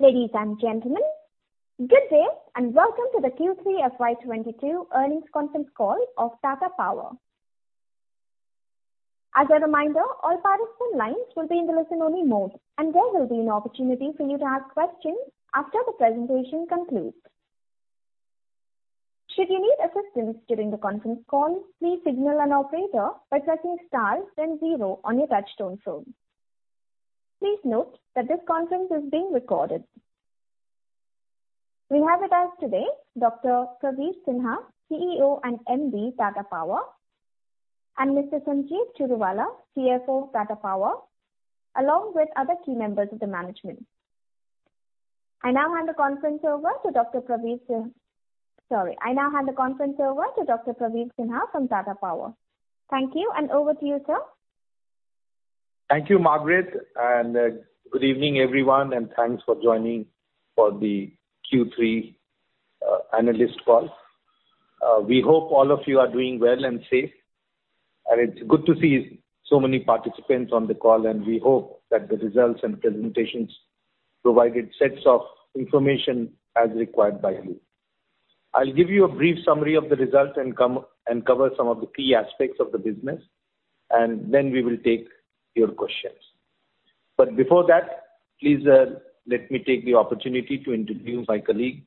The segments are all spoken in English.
Ladies and gentlemen, good day, and welcome to the Q3 FY 2022 earnings conference call of Tata Power. As a reminder, all participant lines will be in the listen-only mode, and there will be an opportunity for you to ask questions after the presentation concludes. Should you need assistance during the conference call, please signal an operator by pressing star then zero on your touchtone phone. Please note that this conference is being recorded. We have with us today Dr. Praveer Sinha, CEO and MD, Tata Power, and Mr. Sanjeev Churiwala, CFO, Tata Power, along with other key members of the management. I now hand the conference over to Dr. Praveer Sinha from Tata Power. Thank you, and over to you, sir. Thank you, Margaret, and good evening, everyone, and thanks for joining for the Q3 analyst call. We hope all of you are doing well and safe, and it's good to see so many participants on the call, and we hope that the results and presentations provided sets of information as required by you. I'll give you a brief summary of the results and cover some of the key aspects of the business, and then we will take your questions. Before that, please let me take the opportunity to introduce my colleague,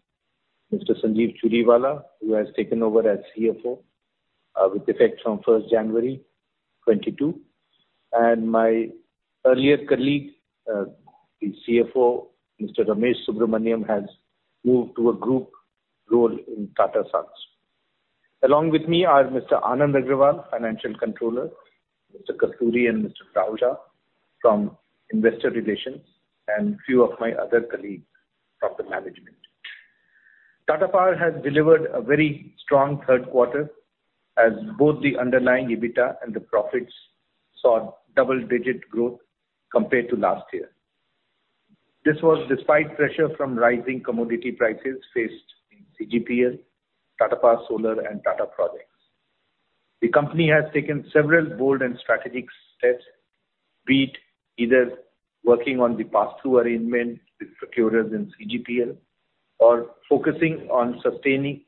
Mr. Sanjeev Churiwala, who has taken over as CFO with effect from January 1st, 2022. My earlier colleague, the CFO, Mr. Ramesh Subramanyam, has moved to a Group role in Tata Sons. Along with me are Mr. Anand Agarwal, Financial Controller, Mr. Kasturi and Mr. Rajesh Lachhani from investor relations, and a few of my other colleagues from the management. Tata Power has delivered a very strong third quarter as both the underlying EBITDA and the profits saw double-digit growth compared to last year. This was despite pressure from rising commodity prices faced in CGPL, Tata Power Solar, and Tata Projects. The company has taken several bold and strategic steps, be it either working on the pass-through arrangement with procurers in CGPL or focusing on sustaining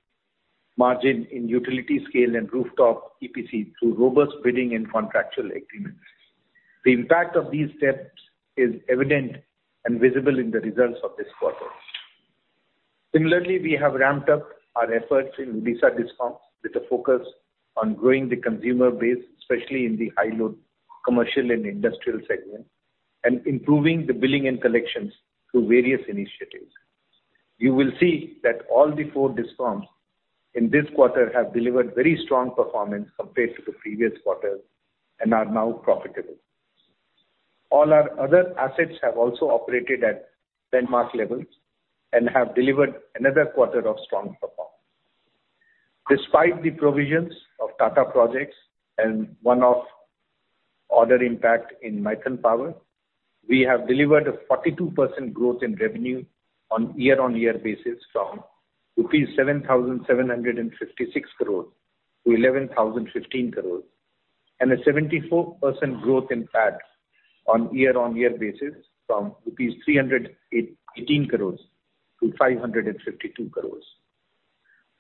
margin in utility scale and rooftop EPC through robust bidding and contractual agreements. The impact of these steps is evident and visible in the results of this quarter. Similarly, we have ramped up our efforts in Odisha Discoms with a focus on growing the consumer base, especially in the high load commercial and industrial segment, and improving the billing and collections through various initiatives. You will see that all four Discoms in this quarter have delivered very strong performance compared to the previous quarter and are now profitable. All our other assets have also operated at benchmark levels and have delivered another quarter of strong performance. Despite the provisions of Tata Projects and one-off order impact in Mundra Power, we have delivered a 42% growth in revenue on year-on-year basis from rupees 7,756 crores to 11,015 crores, and a 74% growth in PAT on year-on-year basis from rupees 388 crores to 552 crores.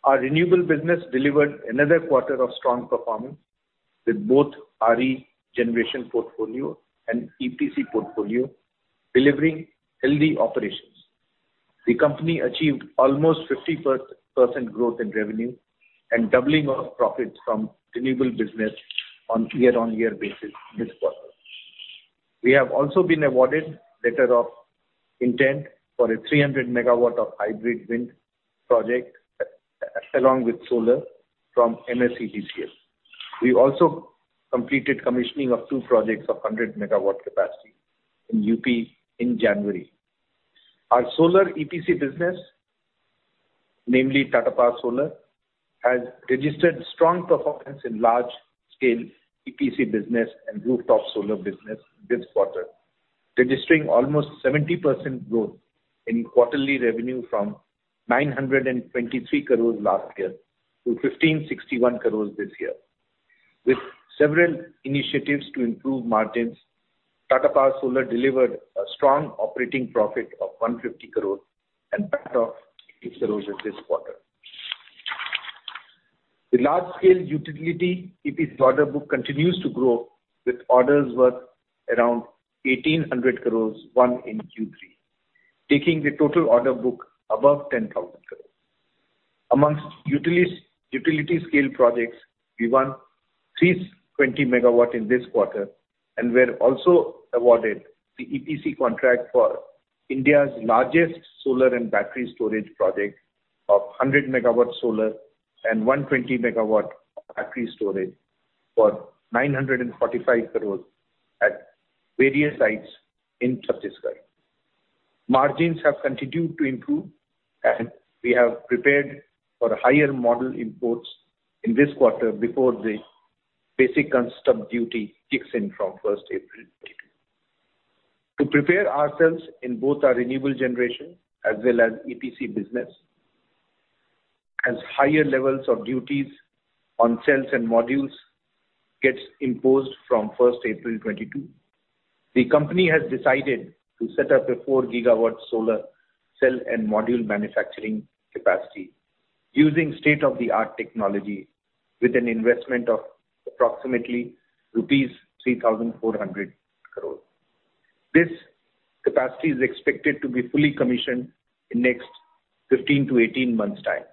Our Renewable business delivered another quarter of strong performance, with both RE generation portfolio and EPC portfolio delivering healthy operations. The company achieved almost 50% growth in revenue and doubling of profits from Renewable business on year-on-year basis this quarter. We have also been awarded letter of intent for a 300 MW hybrid wind project along with solar from MSEDCL. We also completed commissioning of two projects of 100 MW capacity in UP in January. Our Solar EPC business, namely Tata Power Solar, has registered strong performance in large-scale EPC business and rooftop solar business this quarter, registering almost 70% growth in quarterly revenue from 923 crore last year to 1,561 crore this year. With several initiatives to improve margins, Tata Power Solar delivered a strong operating profit of 150 crore and PAT of 8 crore in this quarter. The large-scale utility EPC order book continues to grow with orders worth around 1,800 crore won in Q3, taking the total order book above 10,000 crore. Amongst utilities, utility scale projects, we won 320 MW in this quarter and were also awarded the EPC contract for India's largest solar and battery storage project of 100 MW solar and 120 MW battery storage for 945 crore at various sites in Chhattisgarh. Margins have continued to improve, and we have prepared for higher module imports in this quarter before the Basic Customs Duty kicks in from 1 April 2023. To prepare ourselves in both our Renewable, Generation as well as EPC business. As higher levels of duties on cells and modules gets imposed from April 1st, 2022, the company has decided to set up a 4 GW solar cell and module manufacturing capacity using state-of-the-art technology with an investment of approximately rupees 3,400 crore. This capacity is expected to be fully commissioned in next 15-18 months' time.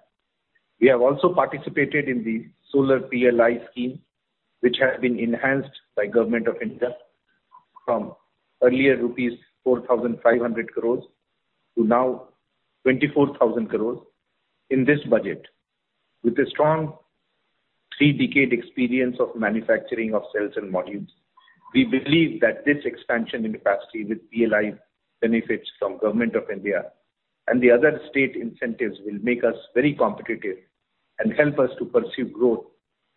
We have also participated in the solar PLI scheme, which has been enhanced by Government of India from earlier rupees 4,500 crores to now 24,000 crores in this budget. With a strong three-decade experience of manufacturing of cells and modules, we believe that this expansion in capacity with PLI benefits from Government of India and the other state incentives will make us very competitive and help us to pursue growth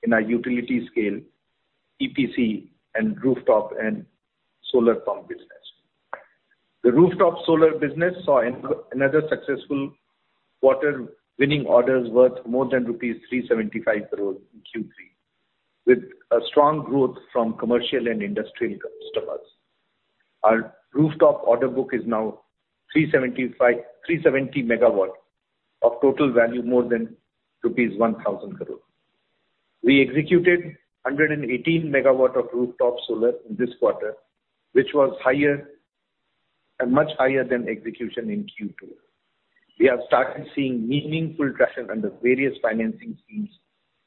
in our utility scale, EPC, and rooftop and solar pump business. The rooftop solar business saw another successful quarter, winning orders worth more than rupees 375 crores in Q3, with a strong growth from commercial and industrial customers. Our rooftop order book is now 370 MW of total value more than rupees 1,000 crore. We executed 118 MW of rooftop solar in this quarter, which was higher, much higher than execution in Q2. We have started seeing meaningful traction under various financing schemes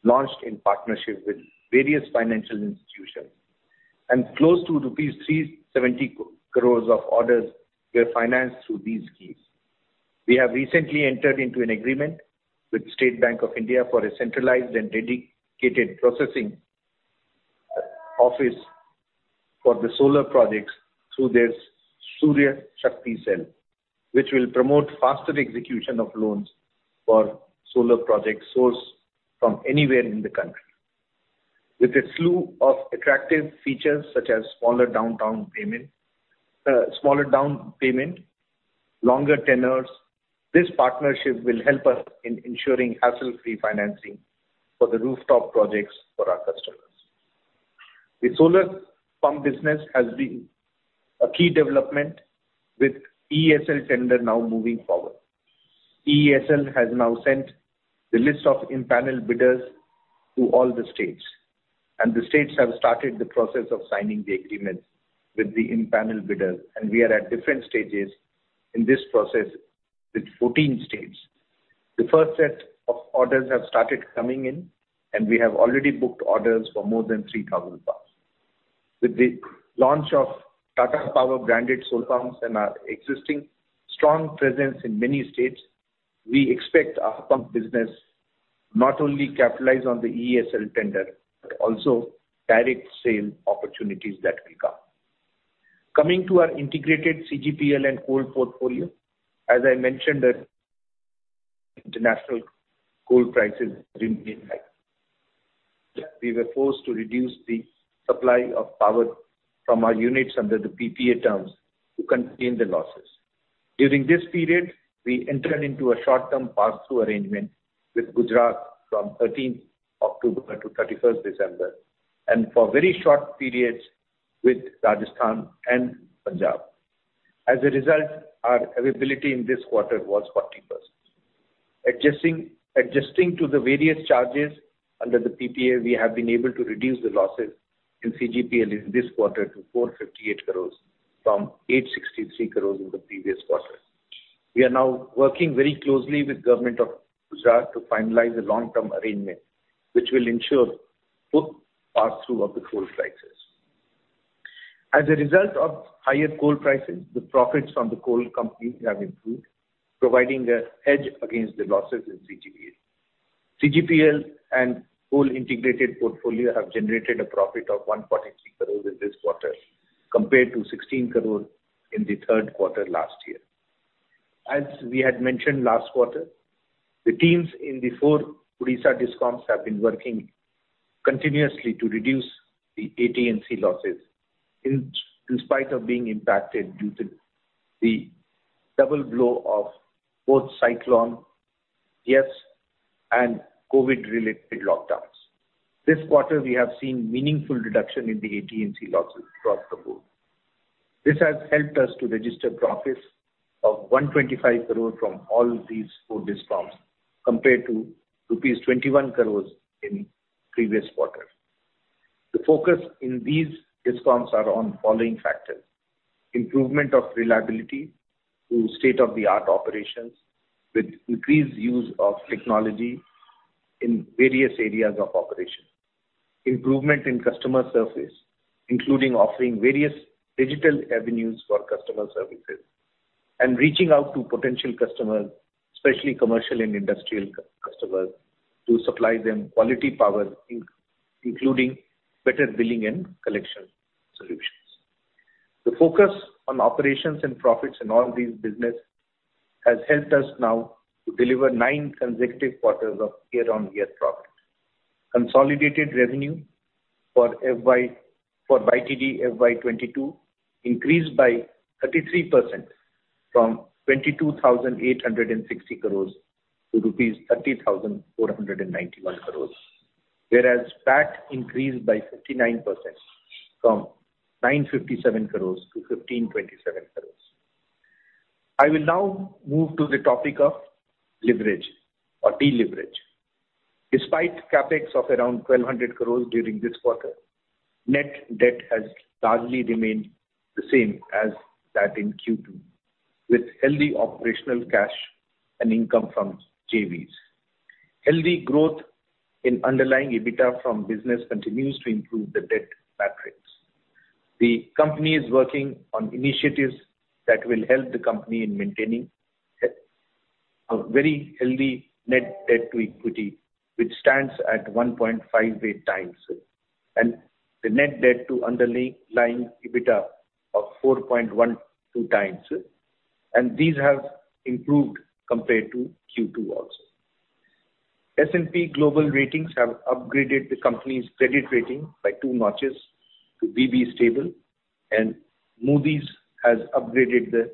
launched in partnership with various financial institutions, and close to rupees 370 crores of orders were financed through these schemes. We have recently entered into an agreement with State Bank of India for a centralized and dedicated processing office for the solar projects through their Surya Shakti Cell, which will promote faster execution of loans for solar projects sourced from anywhere in the country. With a slew of attractive features such as smaller down payment, longer tenures, this partnership will help us in ensuring hassle-free financing for the rooftop projects for our customers. The solar pump business has been a key development with EESL tender now moving forward. EESL has now sent the list of empanelled bidders to all the states, and the states have started the process of signing the agreements with the empanelled bidders, and we are at different stages in this process with 14 states. The first set of orders have started coming in, and we have already booked orders for more than 3,000 pumps. With the launch of Tata Power branded solar pumps and our existing strong presence in many states, we expect our pump business not only to capitalize on the EESL tender, but also direct sale opportunities that will come. Coming to our integrated CGPL and coal portfolio, as I mentioned, international coal prices remain high. We were forced to reduce the supply of power from our units under the PPA terms to contain the losses. During this period, we entered into a short-term pass-through arrangement with Gujarat from October 13th, 2021 to December 31st, 2021 and for very short periods with Rajasthan and Punjab. As a result, our availability in this quarter was 40%. Adjusting to the various charges under the PPA, we have been able to reduce the losses in CGPL in this quarter to 458 crore from 863 crore in the previous quarter. We are now working very closely with Government of Gujarat to finalize a long-term arrangement which will ensure full pass-through of the coal prices. As a result of higher coal prices, the profits from the coal company have improved, providing a hedge against the losses in CGPL. CGPL and coal integrated portfolio have generated a profit of 143 crore in this quarter compared to 16 crore in the third quarter last year. As we had mentioned last quarter, the teams in the four Odisha Discoms have been working continuously to reduce the AT&C losses in spite of being impacted due to the double blow of both Cyclone Yaas and COVID-related lockdowns. This quarter, we have seen meaningful reduction in the AT&C losses across the board. This has helped us to register profits of 125 crore from all these four Discoms compared to rupees 21 crore in previous quarter. The focus in these Discoms are on following factors. Improvement of reliability through state-of-the-art operations with increased use of technology in various areas of operation. Improvement in customer service, including offering various digital avenues for customer services. Reaching out to potential customers, especially commercial and industrial customers, to supply them quality power including better billing and collection solutions. The focus on operations and profits in all these business has helped us now to deliver nine consecutive quarters of year-on-year profit. Consolidated revenue for YTD FY 2022 increased by 33% from 22,860 crores to rupees 30,491 crores. Whereas PAT increased by 59% from 957 crores to 1,527 crores. I will now move to the topic of leverage or deleverage. Despite CapEx of around 1,200 crores during this quarter, net debt has largely remained the same as that in Q2, with healthy operational cash and income from JVs. Healthy growth in underlying EBITDA from business continues to improve the debt metrics. The company is working on initiatives that will help the company in maintaining a very healthy net debt to equity, which stands at 1.58 times, and the net debt to underlying EBITDA of 4.12x. These have improved compared to Q2 also. S&P Global Ratings have upgraded the company's credit rating by two notches to BB/Stable, and Moody's has upgraded the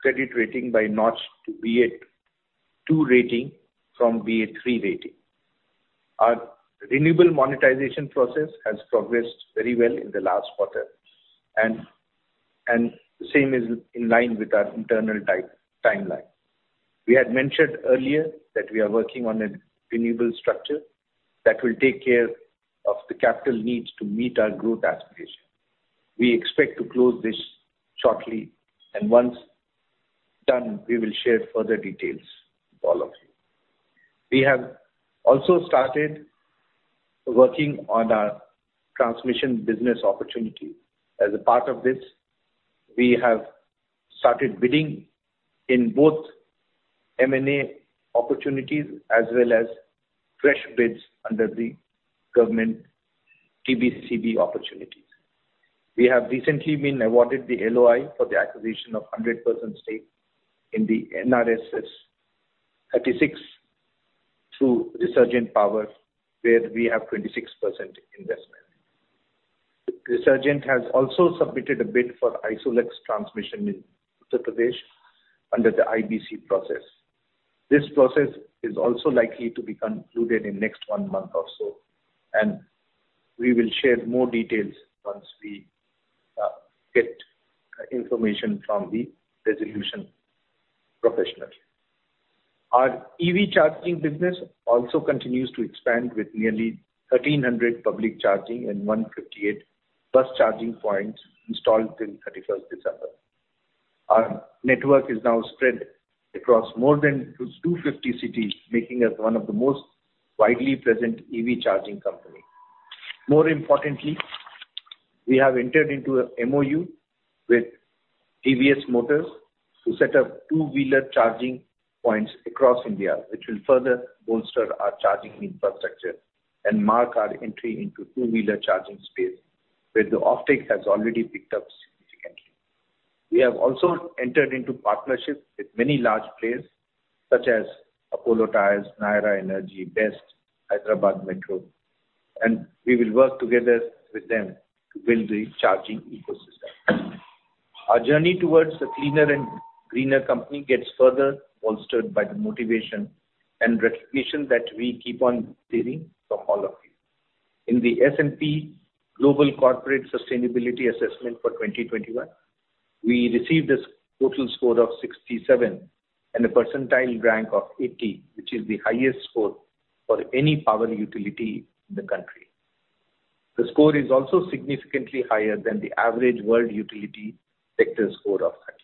credit rating by a notch to Ba2 rating from Ba3 rating. Our renewable monetization process has progressed very well in the last quarter, and the same is in line with our internal timeline. We had mentioned earlier that we are working on a renewable structure that will take care of the capital needs to meet our growth aspiration. We expect to close this shortly, and once done, we will share further details with all of you. We have also started working on our Transmission business opportunity. As a part of this, we have started bidding in both M&A opportunities as well as fresh bids under the government TBCB opportunities. We have recently been awarded the LOI for the acquisition of 100% stake in the NRSS XXXVI through Resurgent Power, where we have 26% investment. Resurgent has also submitted a bid for Isolux Transmission in Uttar Pradesh under the IBC process. This process is also likely to be concluded in next one month or so, and we will share more details once we get information from the resolution professionals. Our EV charging business also continues to expand with nearly 1,300 public charging and 158 bus charging points installed till December 31st, 2021. Our network is now spread across more than 250 cities, making us one of the most widely present EV charging company. More importantly, we have entered into a MoU with TVS Motor Company to set up two-wheeler charging points across India, which will further bolster our charging infrastructure and mark our entry into two-wheeler charging space, where the offtake has already picked up significantly. We have also entered into partnerships with many large players such as Apollo Tyres, Nayara Energy, BEST, Hyderabad Metro, and we will work together with them to build the charging ecosystem. Our journey towards a cleaner and greener company gets further bolstered by the motivation and recognition that we keep on getting from all of you. In the S&P Global Corporate Sustainability Assessment for 2021, we received a total score of 67 and a percentile rank of 80, which is the highest score for any power utility in the country. The score is also significantly higher than the average world utility sector score of 38.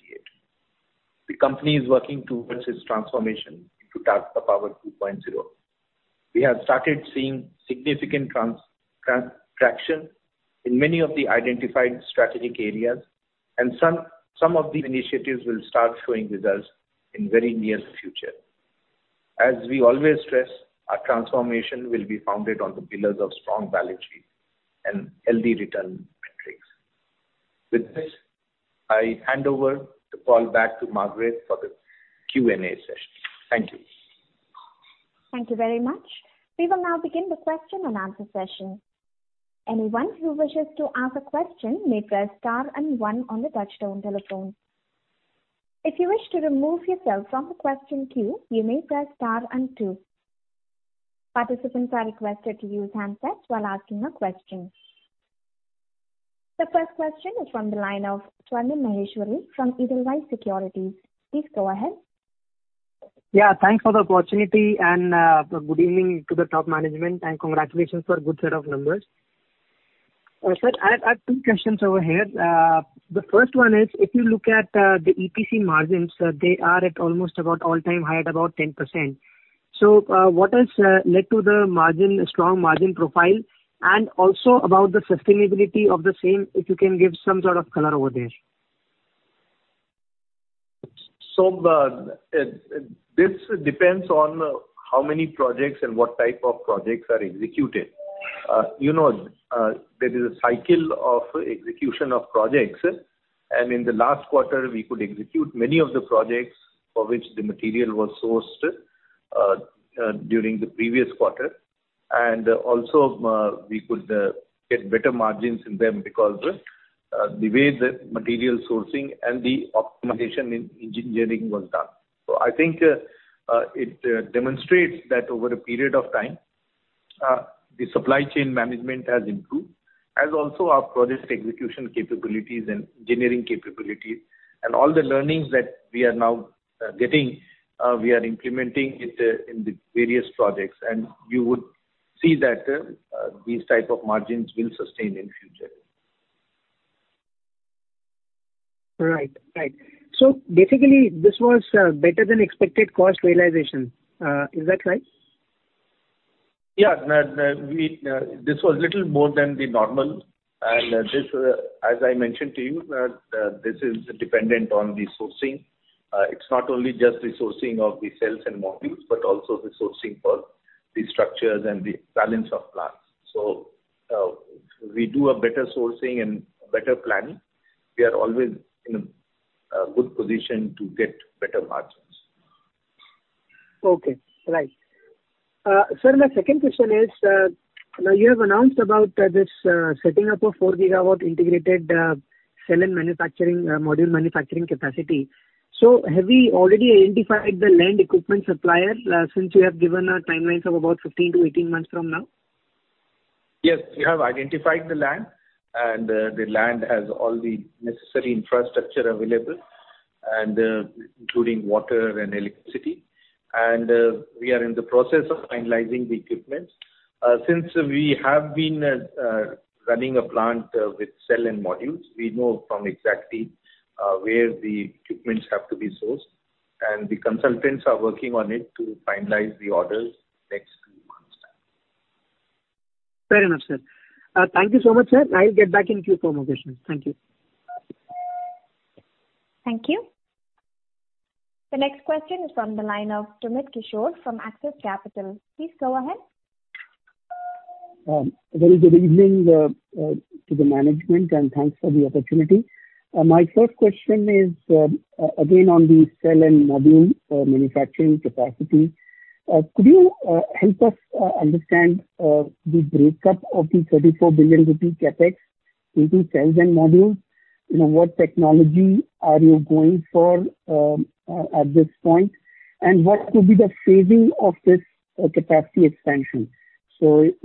The company is working towards its transformation into Tata Power 2.0. We have started seeing significant traction in many of the identified strategic areas, and some of these initiatives will start showing results in very near future. As we always stress, our transformation will be founded on the pillars of strong balance sheet and healthy return metrics. With this, I hand over the call back to Margaret for the Q&A session. Thank you. Thank you very much. We will now begin the question-and-answer session. Anyone who wishes to ask a question may press star and one on the touchtone telephone. If you wish to remove yourself from the question queue, you may press star and two. Participants are requested to use handsets while asking a question. The first question is from the line of Swarnim Maheshwari from Edelweiss Securities. Please go ahead. Yeah, thanks for the opportunity and good evening to the top management, and congratulations for a good set of numbers. Sir, I have two questions over here. The first one is if you look at the EPC margins, they are at almost about all-time high at about 10%. What has led to the margin, strong margin profile and also about the sustainability of the same, if you can give some sort of color over there. This depends on how many projects and what type of projects are executed. You know, there is a cycle of execution of projects. In the last quarter, we could execute many of the projects for which the material was sourced during the previous quarter. We could get better margins in them because the way the material sourcing and the optimization in engineering was done. I think it demonstrates that over a period of time the supply chain management has improved, as also our project execution capabilities and engineering capabilities. All the learnings that we are now getting we are implementing in the various projects. You would see that these type of margins will sustain in future. Right. Basically, this was better than expected cost realization. Is that right? This was little more than the normal. As I mentioned to you, this is dependent on the sourcing. It's not only just the sourcing of the cells and modules, but also the sourcing for the structures and the balance of plants. We do a better sourcing and better planning. We are always in a good position to get better margins. Sir, my second question is, now you have announced about this setting up a 4-GW integrated cell and module manufacturing capacity. Have we already identified the land, equipment supplier, since you have given a timeline of about 15-18 months from now? Yes, we have identified the land, and the land has all the necessary infrastructure available, and including water and electricity. We are in the process of finalizing the equipment. Since we have been running a plant with cell and modules, we know exactly where the equipment have to be sourced. The consultants are working on it to finalize the orders next two months time. Fair enough, sir. Thank you so much, sir. I'll get back in queue for more questions. Thank you. Thank you. The next question is from the line of Sumit Kishore from Axis Capital. Please go ahead. Very good evening to the management, and thanks for the opportunity. My first question is, again, on the cell and module manufacturing capacity. Could you help us understand the breakup of the 34 billion rupee CapEx into cells and modules? You know, what technology are you going for at this point? And what could be the phasing of this capacity expansion? You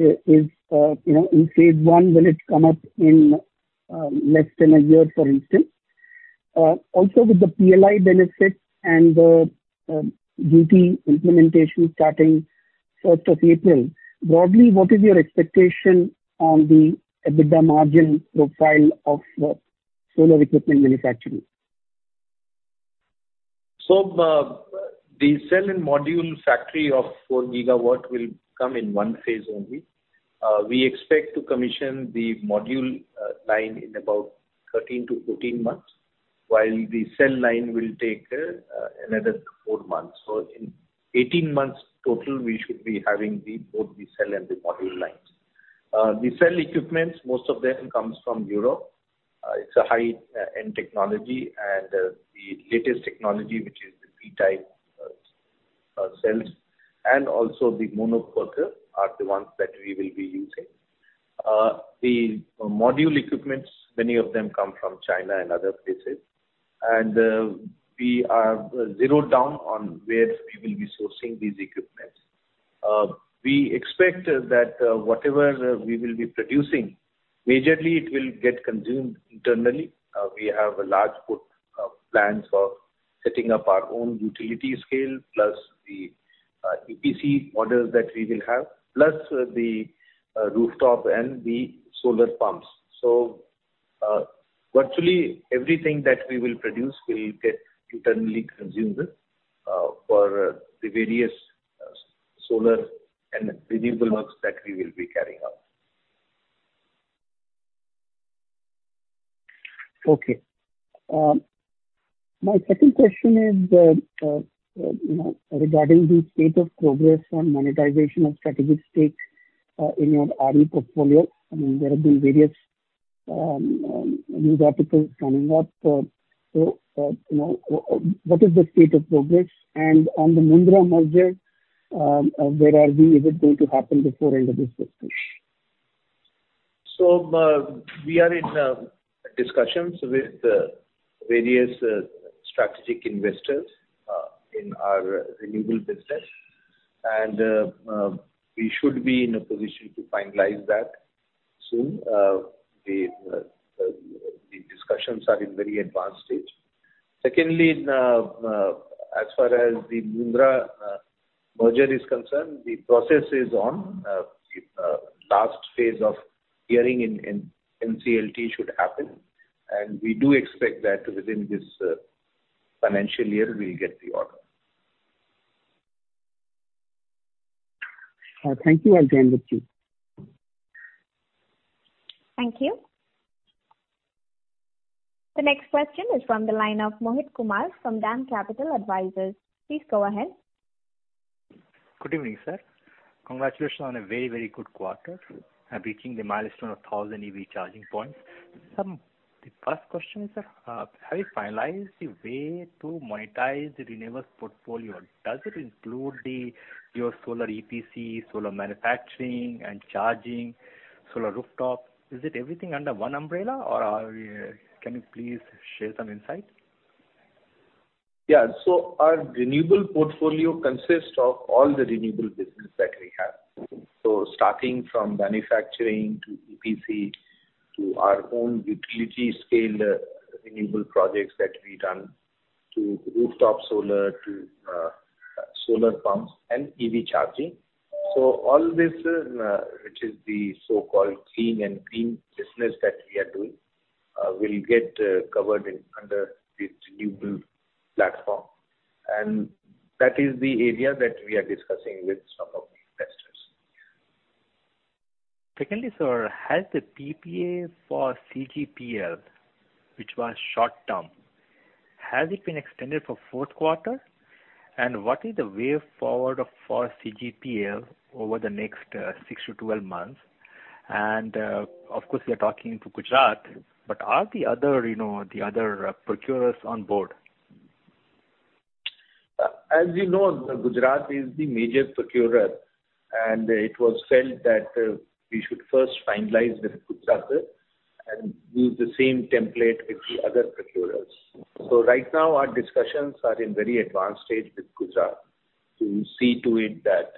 know, in phase I, will it come up in less than a year, for instance? Also with the PLI benefits and the duty implementation starting first of April, broadly, what is your expectation on the EBITDA margin profile of the solar equipment manufacturing? The cell and module factory of 4 GW will come in one phase only. We expect to commission the module line in about 13-14 months, while the cell line will take another four months. In 18 months total, we should be having both the cell and the module lines. The cell equipment, most of them comes from Europe. It's a high-end technology and the latest technology, which is the P-type cells, and also the monocrystal are the ones that we will be using. The module equipment, many of them come from China and other places. We are zeroed down on where we will be sourcing these equipment. We expect that whatever we will be producing, majorly it will get consumed internally. We have large plans for setting up our own utility scale, plus the EPC models that we will have, plus the rooftop and the solar pumps. Virtually everything that we will produce will get internally consumed for the various solar and renewable works that we will be carrying out. Okay. My second question is, you know, regarding the state of progress on monetization of strategic stake in your RE portfolio. I mean, there have been various news articles coming up. So, you know, what is the state of progress? On the Mundra merger, where are we? Is it going to happen before end of this fiscal? We are in discussions with various strategic investors in our Renewable business. We should be in a position to finalize that soon. The discussions are in very advanced stage. Secondly, as far as the Mundra merger is concerned, the process is on. The last phase of hearing in NCLT should happen. We do expect that within this financial year we'll get the order. Thank you. I'll join the queue. Thank you. The next question is from the line of Mohit Kumar from DAM Capital Advisors. Please go ahead. Good evening, sir. Congratulations on a very, very good quarter and reaching the milestone of 1,000 EV charging points. The first question is that, have you finalized the way to monetize the Renewables portfolio? Does it include your Solar EPC, solar manufacturing and charging, solar rooftop? Is it everything under one umbrella, or are we? Can you please share some insight? Our Renewable portfolio consists of all the renewable businesses that we have. Starting from Manufacturing to EPC to our own utility scale renewable projects that we run, to rooftop solar to solar pumps and EV charging. All this, which is the so-called clean and green business that we are doing, will get covered under the renewable platform, and that is the area that we are discussing with some of the investors. Secondly, sir, has the PPA for CGPL, which was short-term, has it been extended for fourth quarter? What is the way forward of, for CGPL over the next, 6-12 months? Of course we are talking to Gujarat, but are the other, you know, the other, procurers on board? As you know, Gujarat is the major procurer, and it was felt that we should first finalize with Gujarat and use the same template with the other procurers. Right now our discussions are in very advanced stage with Gujarat to see to it that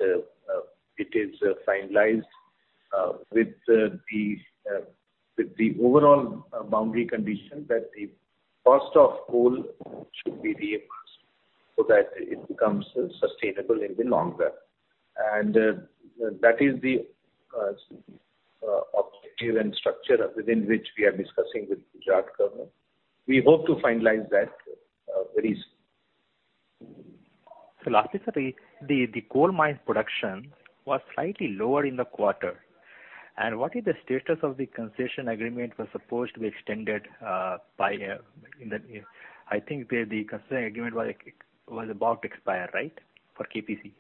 it is finalized with the overall boundary condition that the cost of coal should be reimbursed so that it becomes sustainable in the long run. That is the objective and structure within which we are discussing with Gujarat government. We hope to finalize that very soon. Lastly, sir, the coal mine production was slightly lower in the quarter. What is the status of the concession agreement that was supposed to be extended? I think the concession agreement was about to expire, right, for KPC?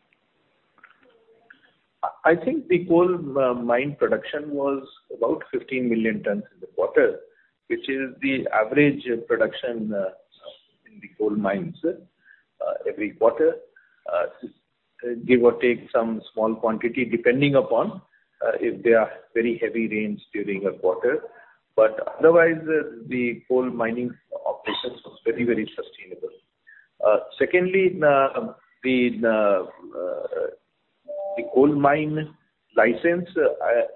I think the coal mine production was about 15 million tons in the quarter, which is the average production in the coal mines every quarter, give or take some small quantity depending upon if there are very heavy rains during a quarter. Otherwise, the coal mining operations was very, very sustainable. Secondly, the coal mine license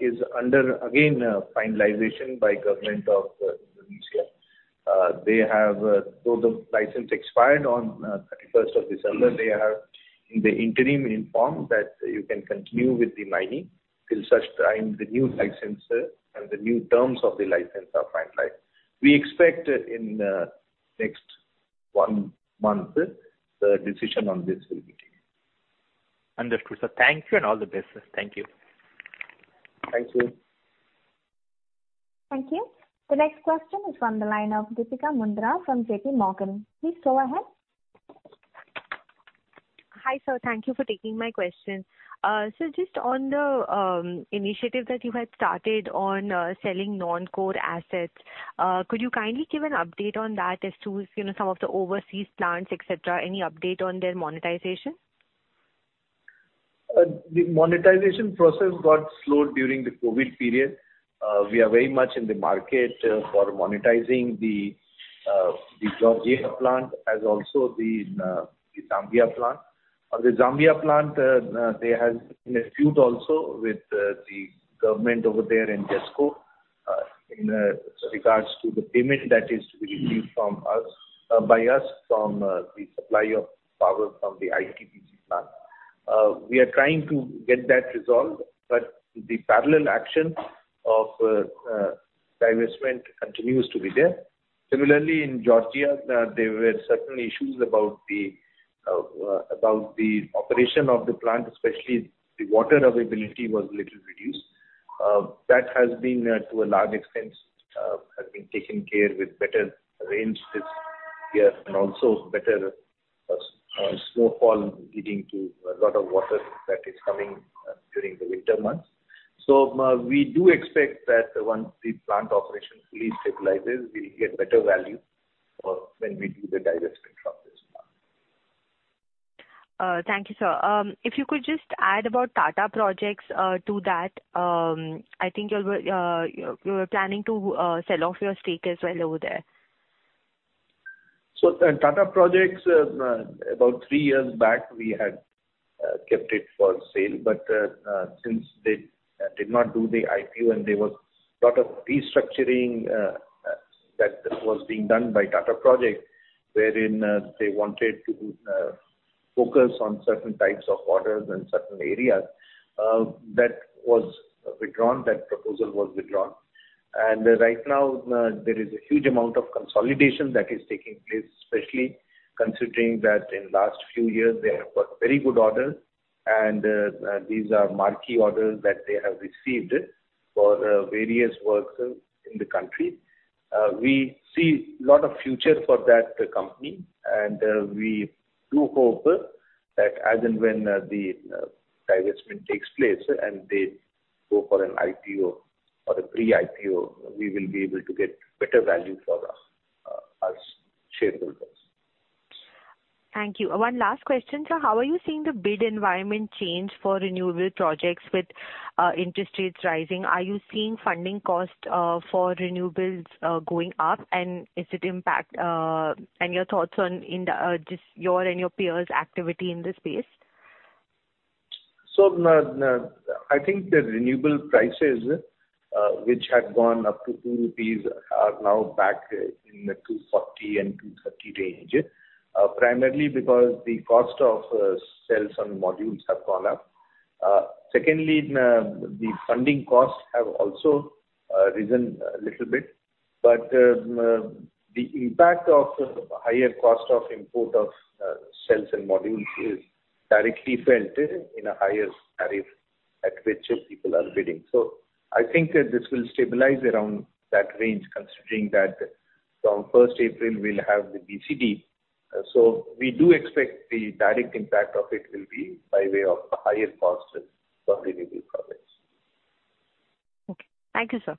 is under again finalization by Government of Indonesia. They have so the license expired on December 31st, 2021. They are in the interim informed that you can continue with the mining till such time the new license, and the new terms of the license are finalized. We expect in next one month, the decision on this will be taken. Understood, sir. Thank you and all the best, sir. Thank you. Thank you. Thank you. The next question is from the line of Deepika Mundra from JPMorgan. Please go ahead. Hi, sir. Thank you for taking my question. Just on the initiative that you had started on selling non-core assets, could you kindly give an update on that as to, you know, some of the overseas plants, et cetera? Any update on their monetization? The monetization process got slowed during the COVID period. We are very much in the market for monetizing the Georgia plant as also the Zambia plant. On the Zambia plant, there has been a feud also with the government over there in ZESCO, in regards to the payment that is to be received from us, by us from the supply of power from the ITPC plant. We are trying to get that resolved, but the parallel action of divestment continues to be there. Similarly, in Georgia, there were certain issues about the operation of the plant, especially the water availability was little reduced. That has been taken care of to a large extent with better rain this year, and also better snowfall leading to a lot of water that is coming during the winter months. We do expect that once the plant operation fully stabilizes, we'll get better value when we do the divestment of this plant. Thank you, sir. If you could just add about Tata Projects to that, I think you were planning to sell off your stake as well over there. At Tata Projects, about three years back, we had kept it for sale, but since they did not do the IPO and there was a lot of restructuring that was being done by Tata Projects, wherein they wanted to focus on certain types of orders and certain areas, that was withdrawn. That proposal was withdrawn. Right now there is a huge amount of consolidation that is taking place, especially considering that in last few years they have got very good orders. These are marquee orders that they have received for various works in the country. We see lot of future for that company, and we do hope that as and when the divestment takes place and they go for an IPO or a pre-IPO, we will be able to get better value for us as shareholders. Thank you. One last question, sir. How are you seeing the bid environment change for renewable projects with interest rates rising? Are you seeing funding costs for renewables going up and is it impacting? Your thoughts on just yours and your peers' activity in this space? I think the renewable prices, which had gone up to 2 rupees are now back in the 2.50-2.30 range. Primarily because the cost of cells and modules have gone up. Secondly, the funding costs have also risen a little bit. The impact of higher cost of import of cells and modules is directly felt in a higher tariff at which people are bidding. I think this will stabilize around that range considering that from April 1st, 2022 we'll have the BCD. We do expect the direct impact of it will be by way of higher costs for Renewable projects. Okay. Thank you, sir.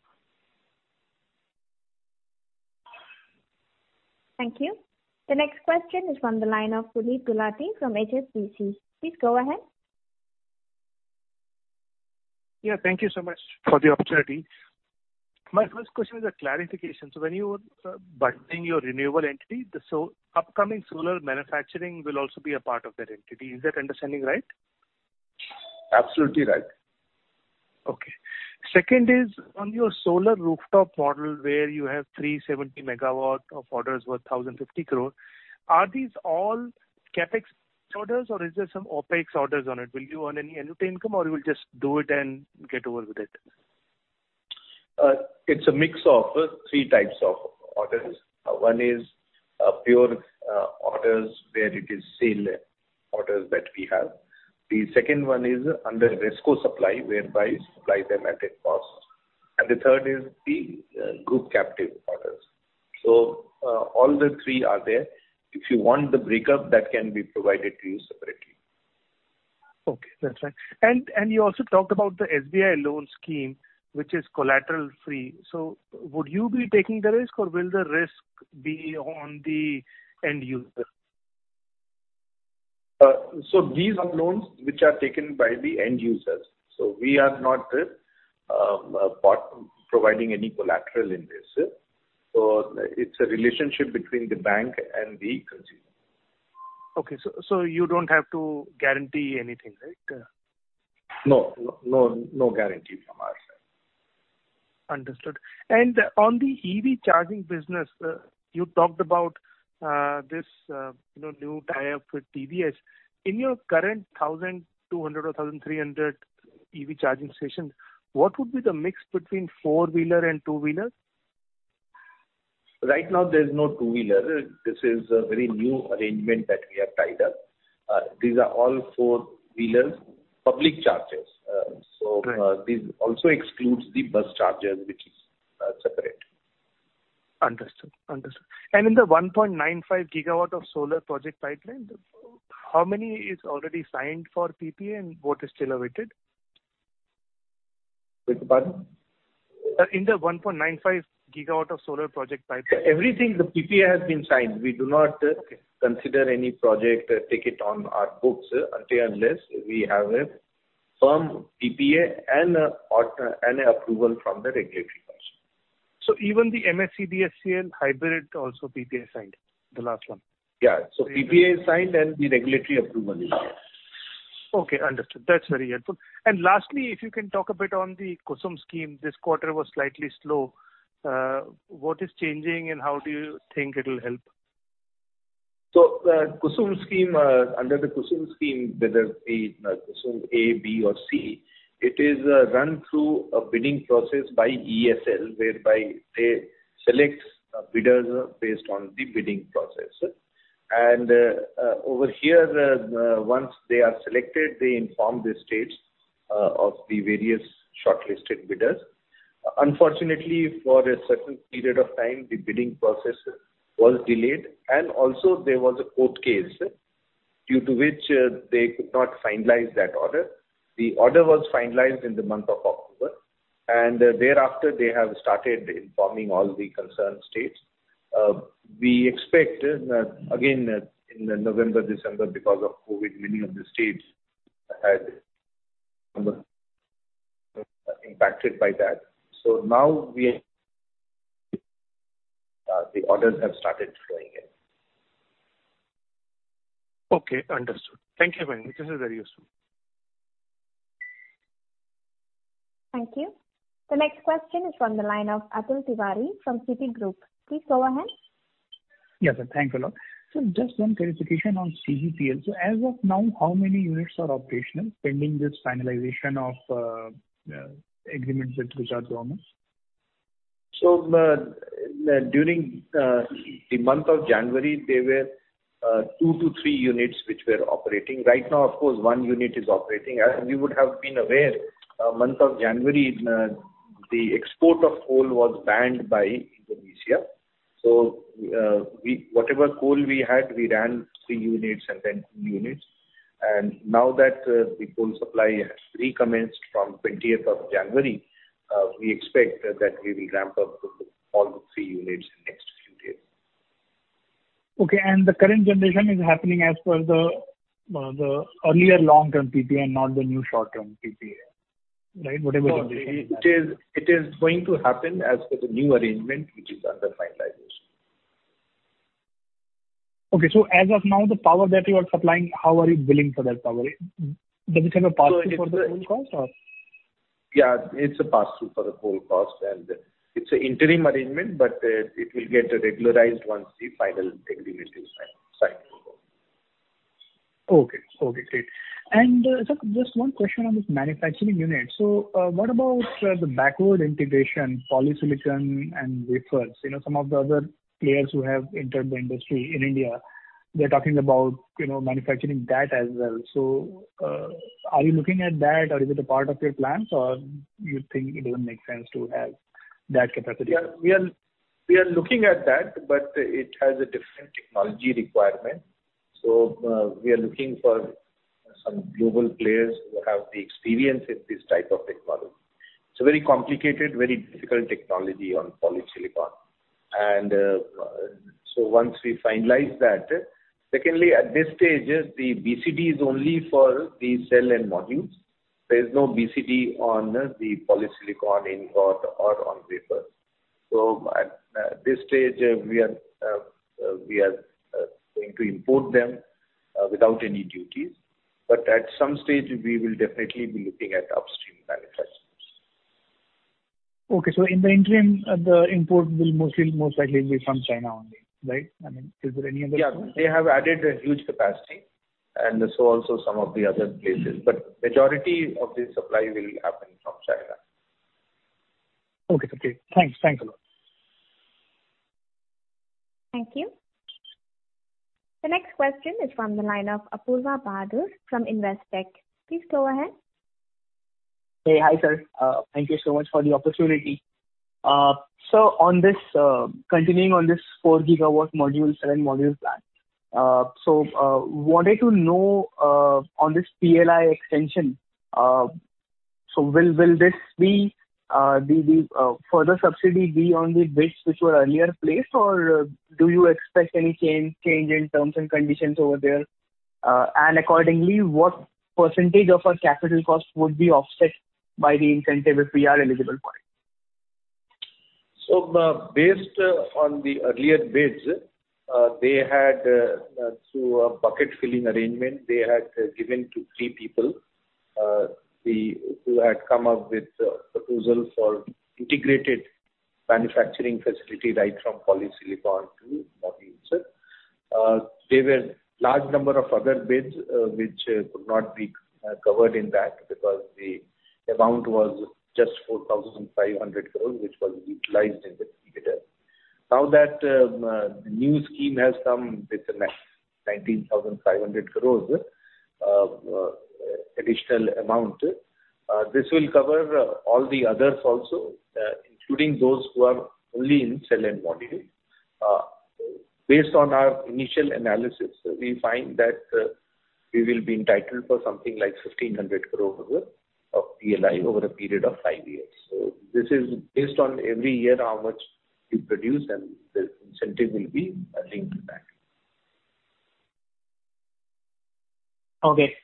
Thank you. The next question is from the line of Puneet Gulati from HSBC. Please go ahead. Yeah. Thank you so much for the opportunity. My first question is a clarification. When you're bundling your renewable entity, the upcoming solar manufacturing will also be a part of that entity. Is that understanding right? Absolutely right. Okay. Second is on your solar rooftop model where you have 370 MW of orders worth 1,050 crore. Are these all CapEx orders or is there some OpEx orders on it? Will you earn any annuity income or you will just do it and get over with it? It's a mix of three types of orders. One is pure orders where it is sale orders that we have. The second one is under RESCO supply, whereby supply them at a cost. The third is the Group captive orders. All the three are there. If you want the breakup, that can be provided to you separately. Okay. That's fine. You also talked about the SBI loan scheme, which is collateral-free. Would you be taking the risk or will the risk be on the end user? These are loans which are taken by the end users. We are not party providing any collateral in this. It's a relationship between the bank and the consumer. Okay. You don't have to guarantee anything, right? No. No, no guarantee from our side. Understood. On the EV charging business, you talked about this, you know, new tie-up with TVS. In your current 1,200 or 1,300 EV charging stations, what would be the mix between four-wheeler and two-wheeler? Right now there's no two-wheeler. This is a very new arrangement that we have tied up. These are all four-wheelers public chargers. Right. This also excludes the bus chargers, which is separate. Understood. In the 1.95 GW of solar project pipeline, how many is already signed for PPA and what is still awaited? Beg your pardon? Sir, in the 1.95 GW of solar project pipeline. Everything, the PPA has been signed. Okay. We do not consider any project, take it on our books until we have a firm PPA and an approval from the regulator also. Even the NSE-BSE hybrid also PPA signed, the last one? Yeah. PPA is signed and the regulatory approval is there. Okay, understood. That's very helpful. Lastly, if you can talk a bit on the KUSUM scheme. This quarter was slightly slow. What is changing and how do you think it'll help? KUSUM scheme, under the KUSUM scheme, whether it be KUSUM A, B or C, it is run through a bidding process by EESL, whereby they select bidders based on the bidding process. Over here, once they are selected, they inform the states of the various shortlisted bidders. Unfortunately, for a certain period of time, the bidding process was delayed, and also there was a court case, due to which they could not finalize that order. The order was finalized in the month of October, and thereafter they have started informing all the concerned states. We expect again in November, December because of COVID many of the states had impacted by that. Now we, the orders have started flowing in. Okay. Understood. Thank you very much. This is very useful. Thank you. The next question is from the line of Atul Tiwari from Citigroup. Please go ahead. Yes, sir. Thank you a lot. Just one clarification on CGPL. As of now, how many units are operational pending this finalization of agreements which are promised? During the month of January, there were 2-3 units which were operating. Right now, of course, 1 unit is operating. You would have been aware, in the month of January, the export of coal was banned by Indonesia. Whatever coal we had, we ran 3 units and then 2 units. Now that the coal supply has recommenced from the January 20th, 2022 we expect that we will ramp up to all 3 units in next few days. Okay. The current generation is happening as per the earlier long-term PPA, not the new short-term PPA, right? Whatever generation No, it is going to happen as per the new arrangement, which is under finalization. Okay. As of now, the power that you are supplying, how are you billing for that power? Does it have a pass-through for the full cost or? Yeah, it's a pass-through for the full cost, and it's an interim arrangement, but it will get regularized once the final agreement is signed. Okay. Okay, great. Sir, just one question on this Manufacturing unit. What about the backward integration, polysilicon and wafers? You know, some of the other players who have entered the industry in India, they're talking about, you know, Manufacturing that as well. Are you looking at that or is it a part of your plans or you think it doesn't make sense to have that capacity? We are looking at that, but it has a different technology requirement. We are looking for some global players who have the experience in this type of technology. It's a very complicated, very difficult technology on polysilicon. Once we finalize that, secondly, at this stage, the BCD is only for the cell and modules. There is no BCD on the polysilicon ingots or on wafers. At this stage, we are going to import them without any duties. At some stage we will definitely be looking at upstream manufacturers. Okay. In the interim, the import will mostly, most likely be from China only, right? I mean, is there any other Yeah. They have added a huge capacity, and so also some of the other places, but majority of the supply will happen from China. Okay, sir. Thanks. Thanks a lot. Thank you. The next question is from the line of Apoorva Bahadur from Investec. Please go ahead. Hey. Hi, sir. Thank you so much for the opportunity. Continuing on this 4 GW module, cell and module plan. Wanted to know on this PLI extension, will this be the further subsidy on the bids which were earlier placed? Or do you expect any change in terms and conditions over there? And accordingly, what percentage of our capital cost would be offset by the incentive if we are eligible for it? Based on the earlier bids, they had through a bucket filling arrangement given to three people who had come up with proposals for integrated manufacturing facility right from polysilicon to modules. There were a large number of other bids which could not be covered in that because the amount was just 4,500 crore, which was utilized in the bucket. Now that the new scheme has come with a 19,500 crore of additional amount, this will cover all the others also, including those who are only in cell and module. Based on our initial analysis, we find that we will be entitled for something like 1,500 crore of PLI over a period of five years. This is based on every year how much we produce, and the incentive will be linked to that. Okay.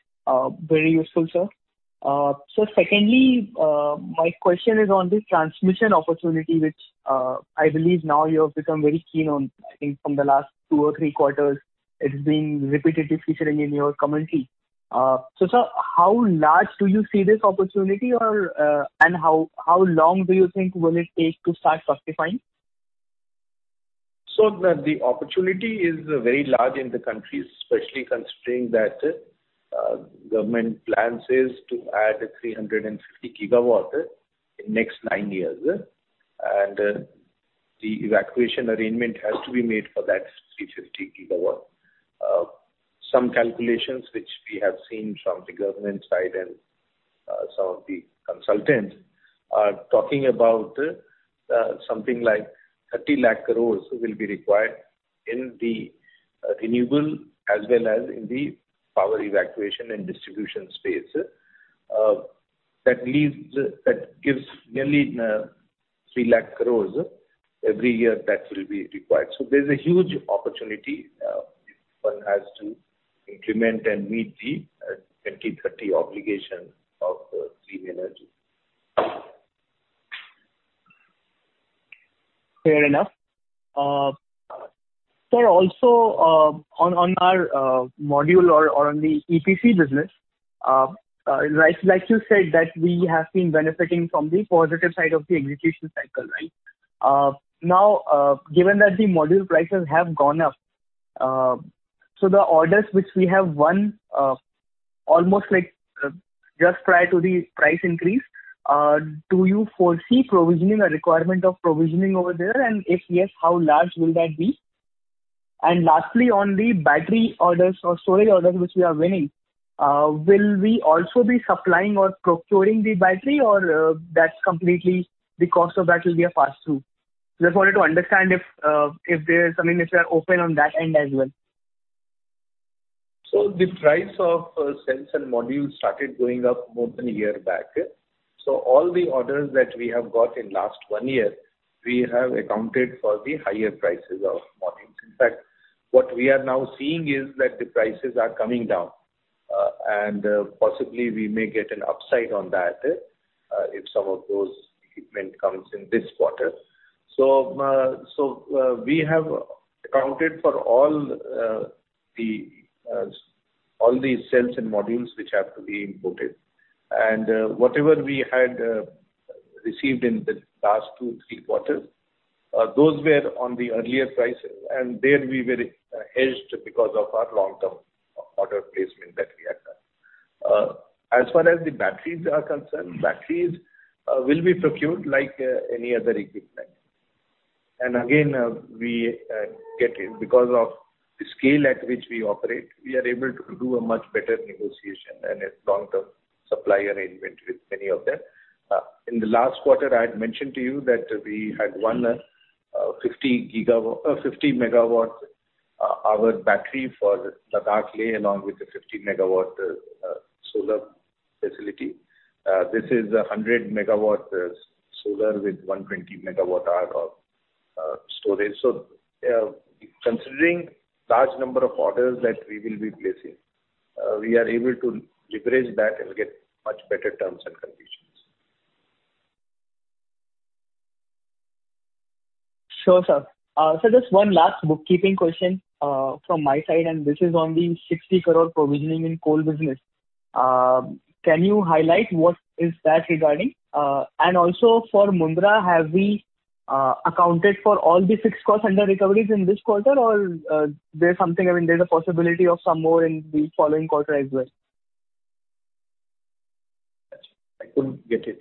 Very useful, sir. Secondly, my question is on the transmission opportunity, which, I believe now you have become very keen on. I think from the last two or three quarters it's being repeatedly featuring in your commentary. Sir, how large do you see this opportunity or and how long do you think will it take to start justifying? The opportunity is very large in the country, especially considering that government plans is to add 350 GW in next nine years. The evacuation arrangement has to be made for that 350 GW. Some calculations which we have seen from the government side and some of the consultants are talking about something like 30 lakh crores will be required in the Renewable as well as in the power evacuation and distribution space. That gives nearly 3 lakh crores every year that will be required. There's a huge opportunity if one has to implement and meet the 2030 obligation of clean energy. Fair enough. Sir, also, on our module or on the EPC business, like you said, that we have been benefiting from the positive side of the execution cycle, right? Now, given that the module prices have gone up, so the orders which we have won, almost like just prior to the price increase, do you foresee provisioning or requirement of provisioning over there? And if yes, how large will that be? And lastly, on the battery orders or solar orders which we are winning, will we also be supplying or procuring the battery or, that's completely the cost of that will be a pass-through? Just wanted to understand if there's, I mean, if you are open on that end as well. The price of cells and modules started going up more than a year back. All the orders that we have got in last one year, we have accounted for the higher prices of modules. In fact, what we are now seeing is that the prices are coming down, and possibly we may get an upside on that, if some of those equipment comes in this quarter. We have accounted for all the cells and modules which have to be imported. Whatever we had received in the last two, three quarters, those were on the earlier price, and there we were hedged because of our long-term order placement that we had done. As far as the batteries are concerned, batteries will be procured like any other equipment. We get it. Because of the scale at which we operate, we are able to do a much better negotiation and a long-term supply arrangement with many of them. In the last quarter, I had mentioned to you that we had won 50 MWh battery for Ladakh Leh, along with the 50 MW solar facility. This is a 100 MW solar with 120 MWh of storage. Considering large number of orders that we will be placing, we are able to leverage that and get much better terms and conditions. Sure, sir. Sir, just one last bookkeeping question from my side, and this is on the 60 crore provisioning in coal business. Can you highlight what is that regarding? And also for Mundra, have we accounted for all the fixed costs under recoveries in this quarter? Or there's something, I mean, there's a possibility of some more in the following quarter as well. I couldn't get it.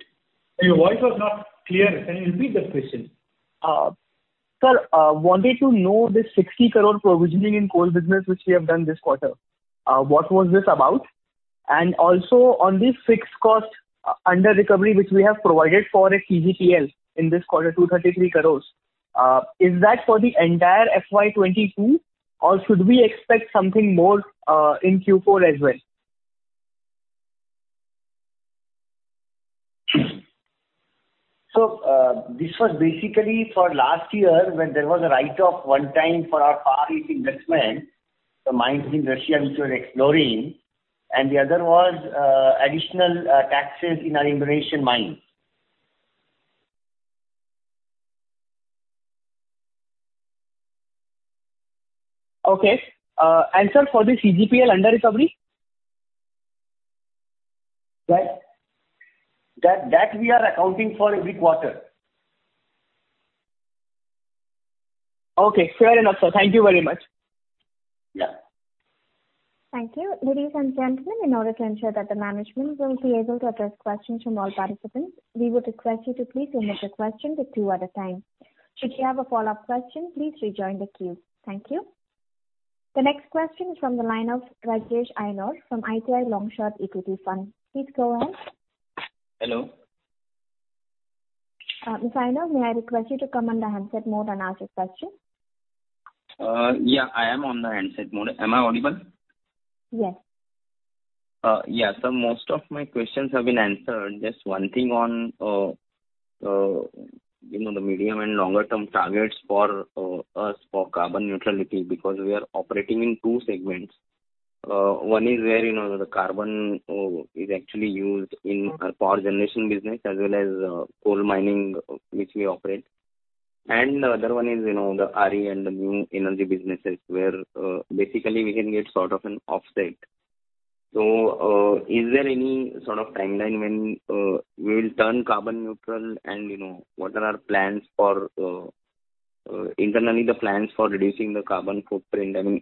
Your voice was not clear. Can you repeat that question? Sir, wanted to know the 60 crore provisioning in coal business which we have done this quarter, what was this about? Also on the fixed cost under recovery, which we have provided for at CGPL in this quarter, 233 crore, is that for the entire FY 2022 or should we expect something more in Q4 as well? This was basically for last year when there was a one-time write-off for our Far East investment, the mines in Russia which were exploring, and the other was additional taxes in our Indonesian mines. Okay. Sir, for the CGPL under recovery? Right. That we are accounting for every quarter. Okay. Fair enough, sir. Thank you very much. Yeah. Thank you. Ladies and gentlemen, in order to ensure that the management will be able to address questions from all participants, we would request you to please limit your question to two at a time. Should you have a follow-up question, please rejoin the queue. Thank you. The next question is from the line of Rajesh Nair from IIFL Long Short Equity Fund. Please go ahead. Hello. Mr. Nair, may I request you to come on the handset mode and ask your question? Yeah, I am on the handset mode. Am I audible? Yes. Yeah. Most of my questions have been answered. Just one thing on, you know, the medium and longer term targets for us for carbon neutrality because we are operating in two segments. One is where, you know, the carbon is actually used in our Power Generation business as well as coal mining which we operate. The other one is, you know, the RE and the new energy businesses where basically we can get sort of an offset. Is there any sort of timeline when we will turn carbon neutral and, you know, what are our plans internally for reducing the carbon footprint? I mean,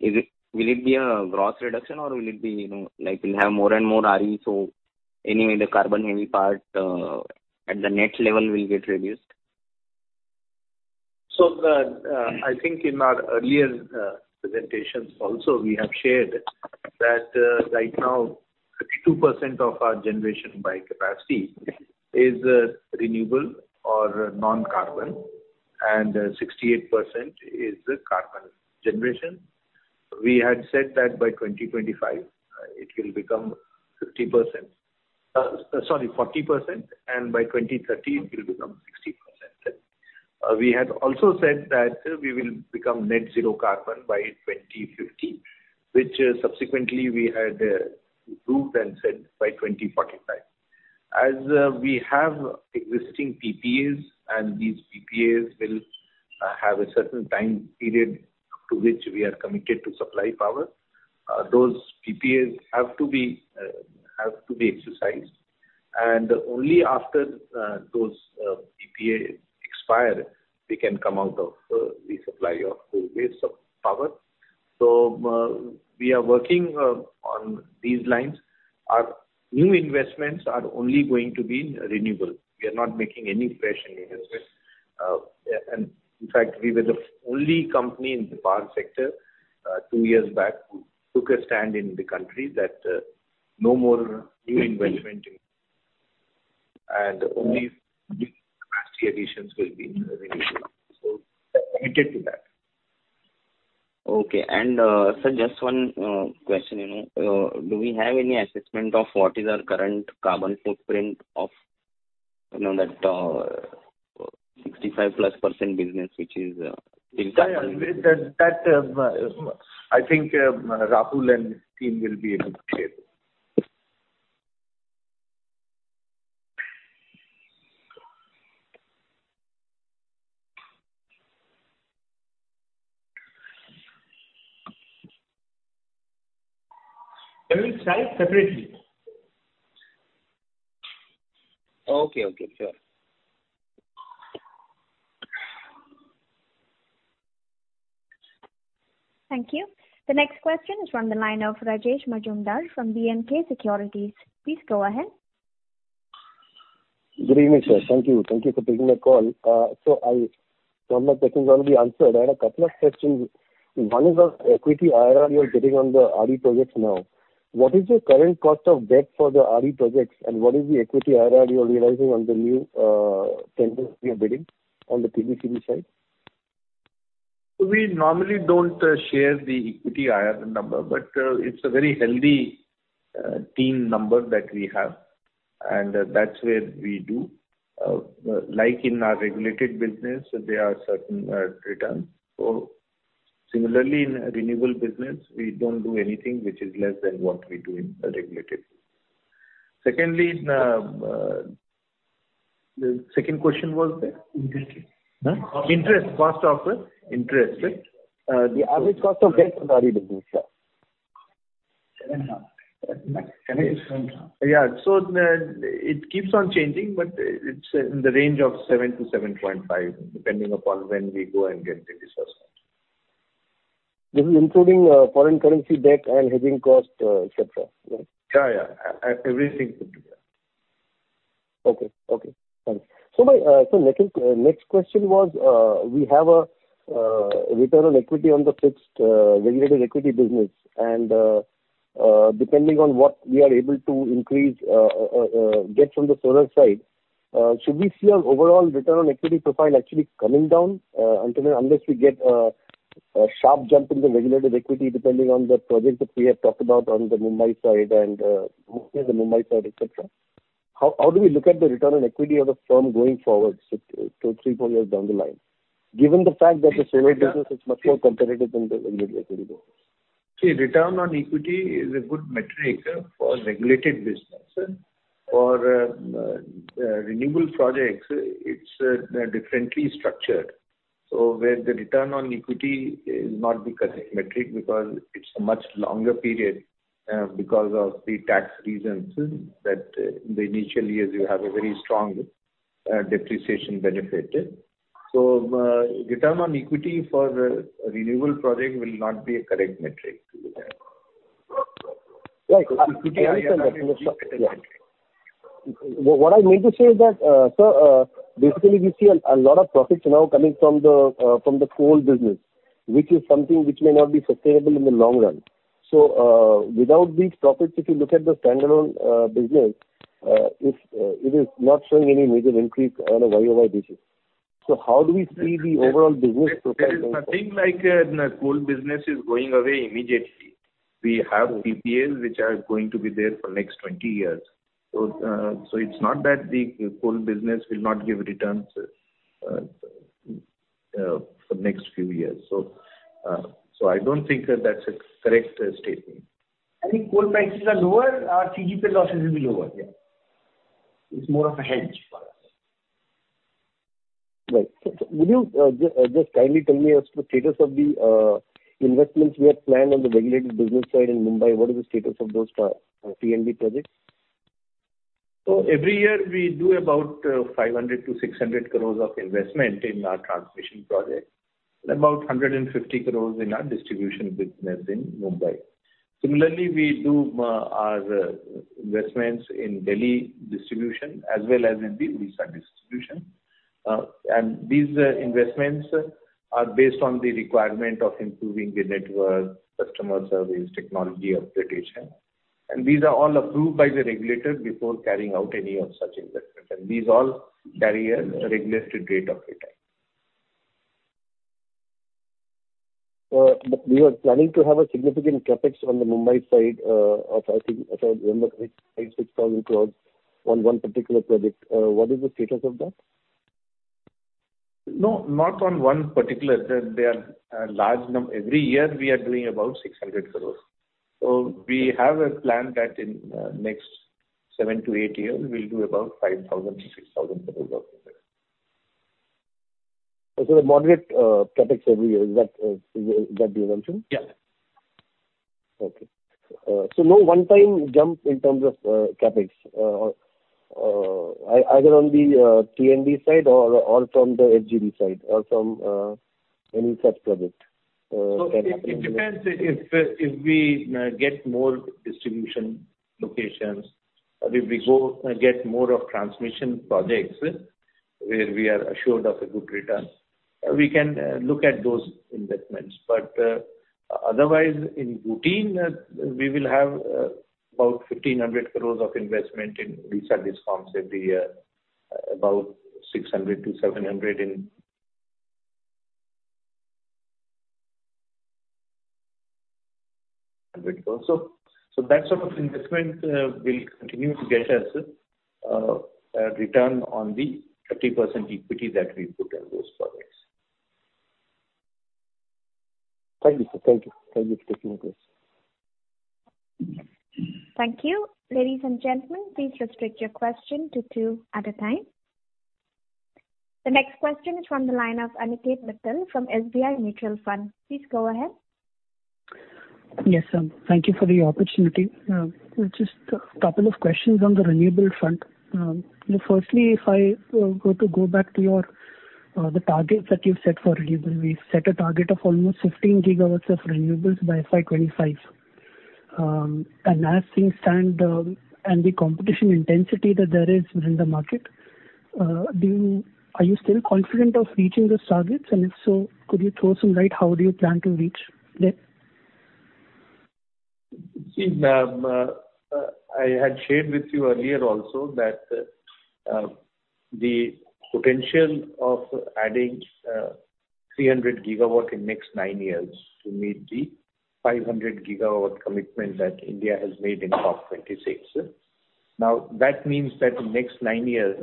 will it be a gross reduction or will it be, you know, like we'll have more and more RE, so anyway the carbon heavy part at the net level will get reduced? I think in our earlier presentations also we have shared that right now 52% of our Generation by capacity is renewable or non-carbon, and 68% is carbon generation. We had said that by 2025 it will become 40% and by 2030 it will become 60%. We had also said that we will become net zero carbon by 2050, which subsequently we had improved and said by 2045. As we have existing PPAs and these PPAs will have a certain time period to which we are committed to supply power, those PPAs have to be exercised. Only after those PPAs expire, we can come out of the supply of the baseload power. We are working on these lines. Our new investments are only going to be renewable. We are not making any fresh investments. In fact, we were the only company in the power sector two years back who took a stand in the country that no more new investment, and only capacity additions will be renewable. We're committed to that. Okay. Sir, just one question, you know. Do we have any assessment of what is our current carbon footprint of, you know, that 65%+ business which is in- Yeah, that I think Rahul and his team will be able to share that. We will share it separately. Okay. Sure. Thank you. The next question is from the line of Rajesh Majumdar from B&K Securities. Please go ahead. Good evening, sir. Thank you. Thank you for taking my call. Some of my questions already answered. I had a couple of questions. One is on equity IRR you are getting on the RE projects now. What is your current cost of debt for the RE projects, and what is the equity IRR you are realizing on the new tenders you are bidding on the PVCV side? We normally don't share the equity IRR number, but it's a very healthy teen number that we have, and that's where we do. Like in our regulated business, there are certain returns. Similarly in Renewable business, we don't do anything which is less than what we do in the regulated. Secondly, the second question was the? Interest rate. Huh? Cost. Interest cost of interest. The average cost of debt for the RE business, yeah. 7.5. Can I just confirm? It keeps on changing, but it's in the range of 7%-7.5%, depending upon when we go and get the disbursements. This is including foreign currency debt and hedging cost, et cetera, right? Yeah, yeah. Everything put together. My next question was, we have a return on equity on the fixed regulated equity business, and depending on what we are able to get from the solar side, should we see our overall return on equity profile actually coming down until unless we get a sharp jump in the regulated equity depending on the projects that we have talked about on the Mumbai side and mostly the Mumbai side, et cetera. How do we look at the return on equity of the firm going forward so three, four years down the line, given the fact that the solar business is much more competitive than the regulated business? See, return on equity is a good metric for regulated business. For renewable projects, it's differently structured. Where the return on equity is not the correct metric because it's a much longer period, because of the tax reasons that in the initial years you have a very strong depreciation benefit. Return on equity for the renewable project will not be a correct metric to look at. Right. Yeah, yeah. What I mean to say is that, sir, basically we see a lot of profits now coming from the coal business, which is something which may not be sustainable in the long run. Without these profits, if you look at the standalone business, it is not showing any major increase on a YoY basis. How do we see the overall business profile going forward? There is nothing like coal business is going away immediately. We have PPAs which are going to be there for next 20 years. It's not that the coal business will not give returns for next few years. I don't think that that's a correct statement. I think coal prices are lower, our CGPL losses will be lower, yeah. It's more of a hedge for us. Right. Would you just kindly tell me as to the status of the investments we have planned on the regulated business side in Mumbai? What is the status of those T&D projects? Every year we do about 500 crores-600 crores of investment in our transmission project, and about 150 crores in our distribution business in Mumbai. Similarly, we do our investments in Delhi distribution as well as in the Odisha distribution. These investments are based on the requirement of improving the network, customer service, technology upgradation. These are all approved by the regulator before carrying out any of such investment. These all carry a regulated rate of return. You are planning to have a significant CapEx on the Mumbai side, of I think around 6,000 crore on one particular project. What is the status of that? No, not on one particular. They are a large number. Every year we are doing about 600 crores. We have a plan that in next 7-8 years we'll do about 5,000 crores-6,000 crores of investment. The moderate CapEx every year, is that the assumption? Yeah. Okay. No one-time jump in terms of CapEx, either on the T&D side or from the HV side or from any such project can happen. It depends if we get more distribution locations or if we go and get more of transmission projects where we are assured of a good return, we can look at those investments. Otherwise in routine, we will have about 1,500 crores of investment in Odisha Discoms every year, about 600 crore-700 crores in T&D also. That sort of investment will continue to get us a return on the 30% equity that we put in those projects. Thank you, sir. Thank you for taking the question. Thank you. Ladies and gentlemen, please restrict your question to two at a time. The next question is from the line of Aniket Mittal from SBI Mutual Fund. Please go ahead. Yes, thank you for the opportunity. Just a couple of questions on the Renewable front. Firstly, if I were to go back to your targets that you've set for renewable, we've set a target of almost 15 GW of renewables by FY 2025. As things stand, and the competitive intensity that there is within the market, are you still confident of reaching those targets? If so, could you throw some light on how you plan to reach that? See, ma'am, I had shared with you earlier also that the potential of adding 300 GW in next nine years to meet the 500 GW commitment that India has made in COP26. Now, that means that next nine years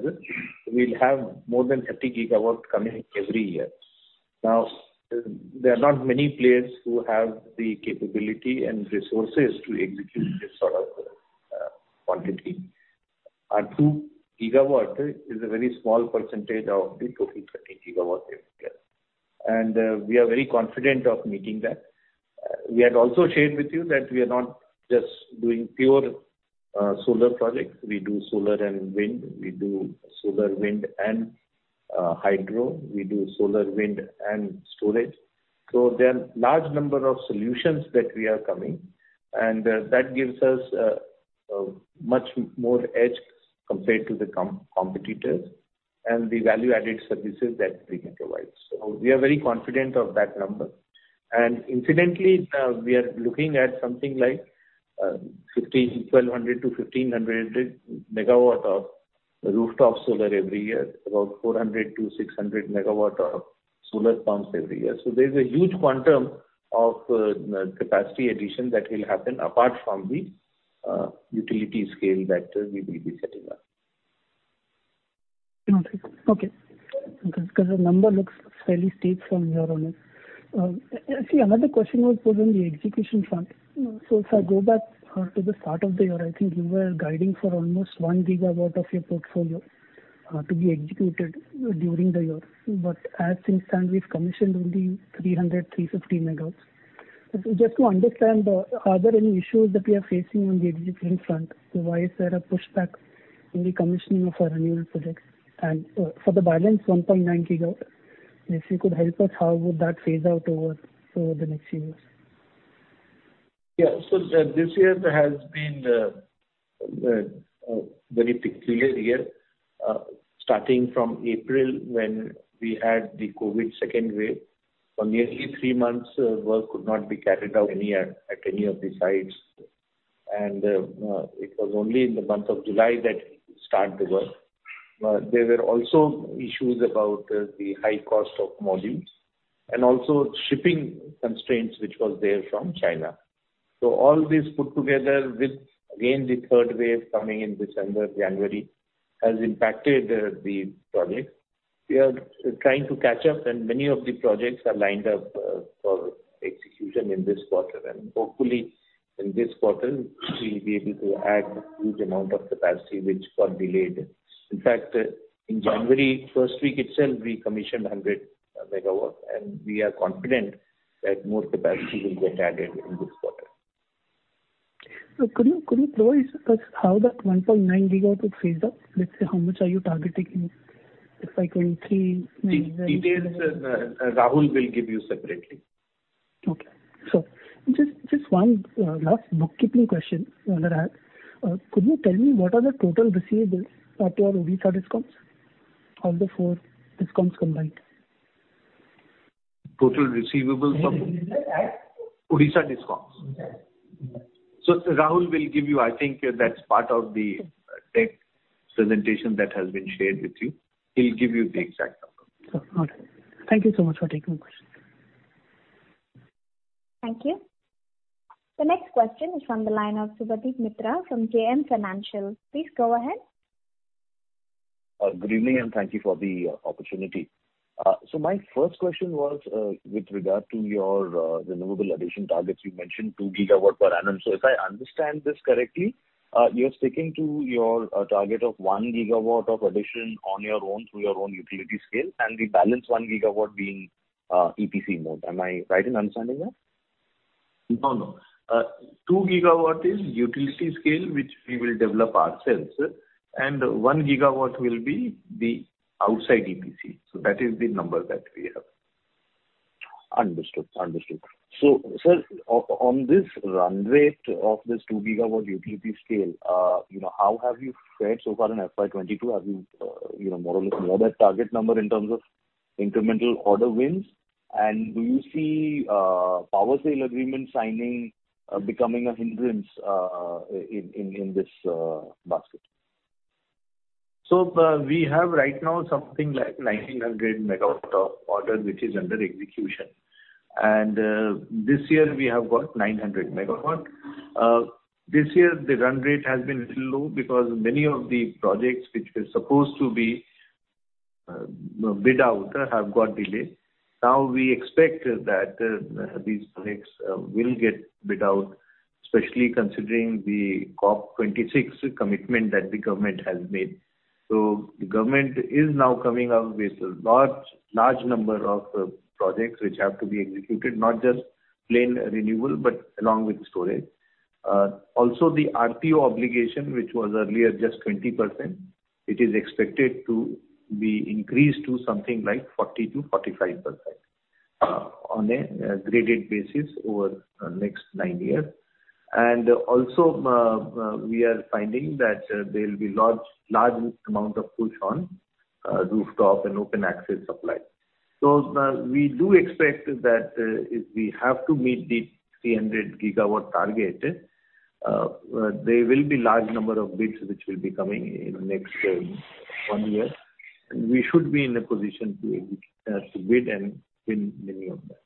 we'll have more than 30 GW coming every year. Now, there are not many players who have the capability and resources to execute this sort of quantity. Our 2 GW is a very small percentage of the total 30 GW every year. We are very confident of meeting that. We had also shared with you that we are not just doing pure solar projects. We do solar and wind. We do solar, wind and hydro. We do solar, wind and storage. There are a large number of solutions that we are coming, and that gives us much more edge compared to the competitors and the value-added services that we can provide. We are very confident of that number. Incidentally, we are looking at something like 1,200 MW-1,500 MW of rooftop solar every year, about 400 MW-600 MW of solar pumps every year. There is a huge quantum of capacity addition that will happen apart from the utility scale that we will be setting up. Because the number looks fairly steep from here on. Another question was put on the execution front. If I go back to the start of the year, I think you were guiding for almost 1 GW of your portfolio to be executed during the year. As things stand, we've commissioned only 300 MW-350 MW. Just to understand, are there any issues that we are facing on the execution front? Why is there a pushback in the commissioning of our renewable projects? For the balance 1.9 GW, if you could help us, how would that phase out over the next few years? Yeah. This year has been a very peculiar year, starting from April when we had the COVID second wave. For nearly three months, work could not be carried out at any of the sites. It was only in the month of July that we could start the work. There were also issues about the high cost of modules and also shipping constraints which was there from China. All this put together with, again, the third wave coming in December, January, has impacted the project. We are trying to catch up and many of the projects are lined up for execution in this quarter, and hopefully in this quarter we'll be able to add huge amount of capacity which got delayed. In fact, in January first week itself, we commissioned 100 MW, and we are confident that more capacity will get added in this quarter. Could you throw us just how that 1.9 GW would phase out? Let's say how much are you targeting in FY 2023? The details, Rahul will give you separately. Okay. Just one last bookkeeping question that I have. Could you tell me what are the total receivables for your Odisha Discoms, all four Discoms combined? Total receivables of Total receivables at Odisha discounts. Odisha. Rahul will give you. I think that's part of the tech presentation that has been shared with you. He'll give you the exact number. All right. Thank you so much for taking the question. Thank you. The next question is from the line of Subhadip Mitra from JM Financial. Please go ahead. Good evening, and thank you for the opportunity. My first question was with regard to your renewable addition targets. You mentioned 2 GW per annum. If I understand this correctly You're sticking to your target of 1 gigawatt of addition on your own through your own utility scale, and the balance 1 GW being EPC mode. Am I right in understanding that? No, no. 2 GW is utility scale, which we will develop ourselves. 1 GW will be the outside EPC. That is the number that we have. Understood. Sir, on this run rate of this 2 GW utility scale, how have you fared so far in FY 2022? Have you more or less met that target number in terms of incremental order wins? Do you see power sale agreement signing in this basket? We have right now something like 1,900 MW of order, which is under execution. This year we have got 900 MW. This year the run rate has been low because many of the projects which were supposed to be bid out have got delayed. Now we expect that these projects will get bid out, especially considering the COP26 commitment that the government has made. The government is now coming up with a large number of projects which have to be executed, not just plain renewable, but along with storage. Also the RPO obligation, which was earlier just 20%, it is expected to be increased to something like 40%-45%, on a graded basis over next nine years. We are finding that there will be large amount of push on rooftop and open access supply. We do expect that if we have to meet the 300 GW target, there will be large number of bids which will be coming in next 1 year. We should be in a position to bid and win many of them.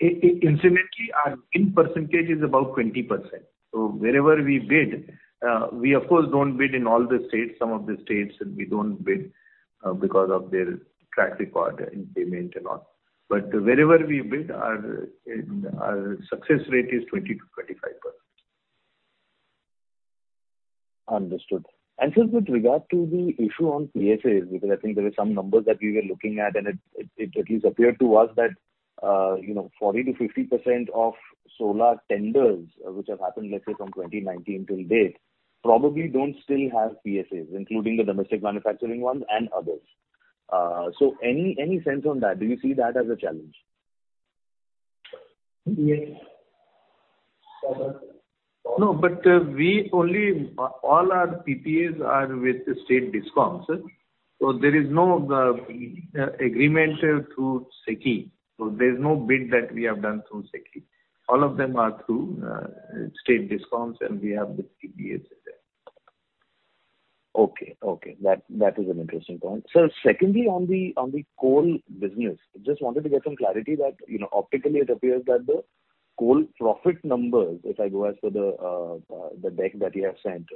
Incidentally, our win percentage is about 20%. Wherever we bid, we of course don't bid in all the states. Some of the states we don't bid because of their track record in payment and all. But wherever we bid, our success rate is 20%-25%. Understood. Just with regard to the issue on PSAs, because I think there are some numbers that we were looking at, and it at least appeared to us that, you know, 40%-50% of solar tenders which have happened, let's say from 2019 till date, probably don't still have PSAs, including the domestic manufacturing ones and others. Any sense on that? Do you see that as a challenge? Yes. No, all our PPAs are with state Discoms. There is no agreement through SECI. There's no bid that we have done through SECI. All of them are through state Discoms, and we have the PPAs there. Okay, that is an interesting point. Sir, secondly, on the coal business, just wanted to get some clarity that, you know, optically it appears that the coal profit numbers, if I go as per the deck that you have sent,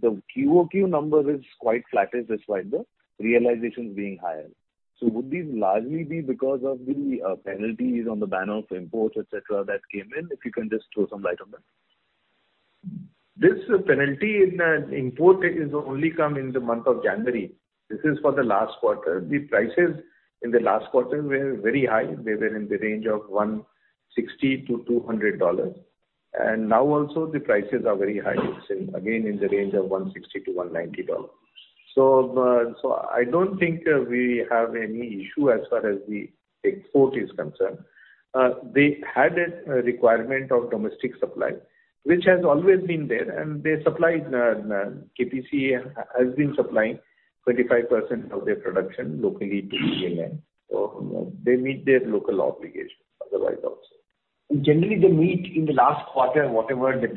the QoQ number is quite flattish despite the realizations being higher. Would these largely be because of the penalties on the ban of imports, et cetera, that came in? If you can just throw some light on that. This penalty in import is only come in the month of January. This is for the last quarter. The prices in the last quarter were very high. They were in the range of $160-$200. Now also the prices are very high, it's again in the range of $160-$190. So I don't think we have any issue as far as the export is concerned. They had a requirement of domestic supply, which has always been there, and they supplied. KPC has been supplying 25% of their production locally to PLN. So they meet their local obligations otherwise also. Generally they meet in the last quarter, whatever the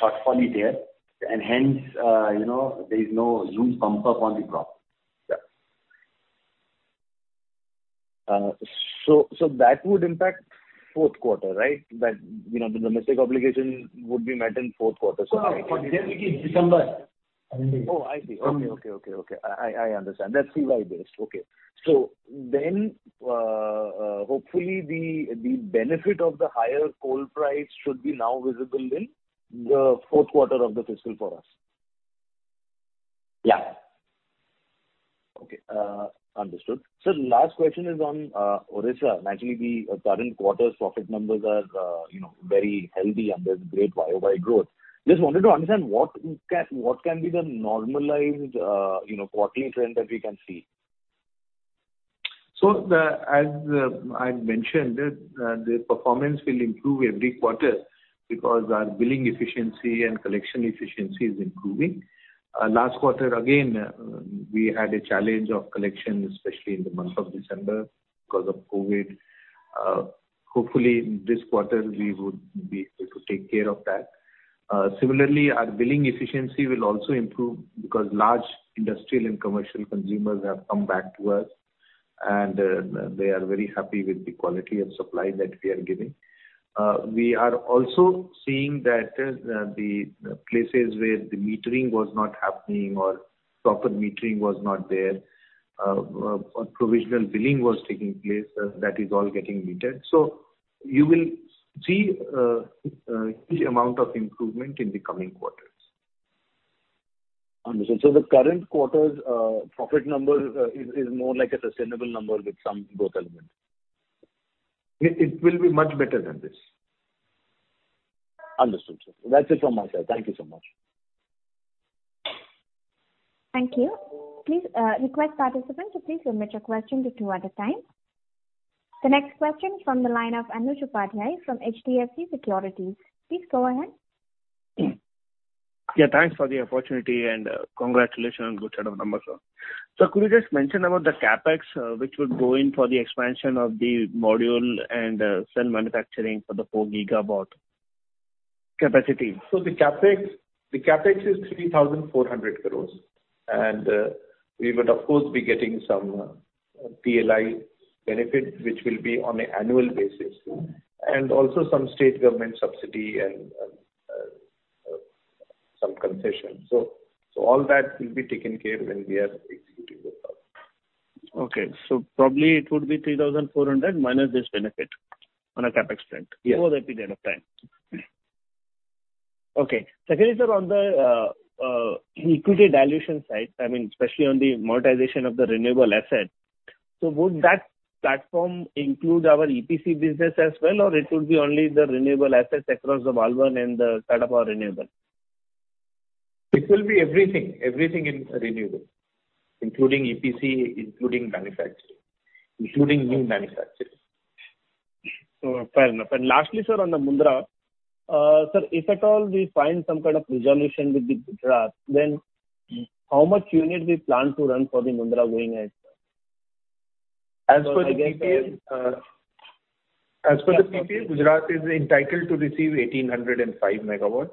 shortfall is there. Hence, you know, there is no jump up on the profit. Yeah. That would impact fourth quarter, right? That, you know, the domestic obligation would be met in fourth quarter. No, no. For them it is December. Oh, I see. Okay. I understand. That's FY based. Okay. Hopefully the benefit of the higher coal price should be now visible in the fourth quarter of the fiscal for us? Yeah. Okay, understood. Sir, last question is on Odisha. Naturally, the current quarter's profit numbers are, you know, very healthy and there's great YoY growth. Just wanted to understand what can be the normalized, you know, quarterly trend that we can see? I mentioned the performance will improve every quarter because our billing efficiency and collection efficiency is improving. Last quarter again we had a challenge of collection, especially in the month of December because of COVID. Hopefully this quarter we would be able to take care of that. Similarly, our billing efficiency will also improve because large industrial and commercial consumers have come back to us, and they are very happy with the quality of supply that we are giving. We are also seeing that the places where the metering was not happening or proper metering was not there, or provisional billing was taking place, that is all getting metered. You will see a huge amount of improvement in the coming quarters. Understood. The current quarter's profit number is more like a sustainable number with some growth element. It will be much better than this. Understood, sir. That's it from my side. Thank you so much. Thank you. Please request participants to please limit your questions to two at a time. The next question from the line of Anuj Upadhyay from HDFC Securities. Please go ahead. Yeah, thanks for the opportunity and congratulations on good set of numbers. Could you just mention about the CapEx, which would go in for the expansion of the module and cell manufacturing for the 4 GW capacity? The CapEx is 3,400 crores. We would of course be getting some PLI benefit, which will be on an annual basis. Also some state government subsidy and some concession. All that will be taken care when we are executing the power. Okay. Probably it would be 3,400 minus this benefit on a CapEx front. Yes. Over the period of time. Okay. Secondly, sir, on the equity dilution side, I mean especially on the monetization of the renewable asset, so would that platform include our EPC business as well, or it would be only the renewable assets across the Walwhan and the Tata Power Renewables? It will be everything in Renewable, including EPC, including Manufacturing, including new Manufacturing. Fair enough. Lastly, sir, on the Mundra, sir, if at all we find some kind of resolution with the Gujarat, then how much units we plan to run for the Mundra going ahead, sir? As per the PPA, Gujarat is entitled to receive 1,805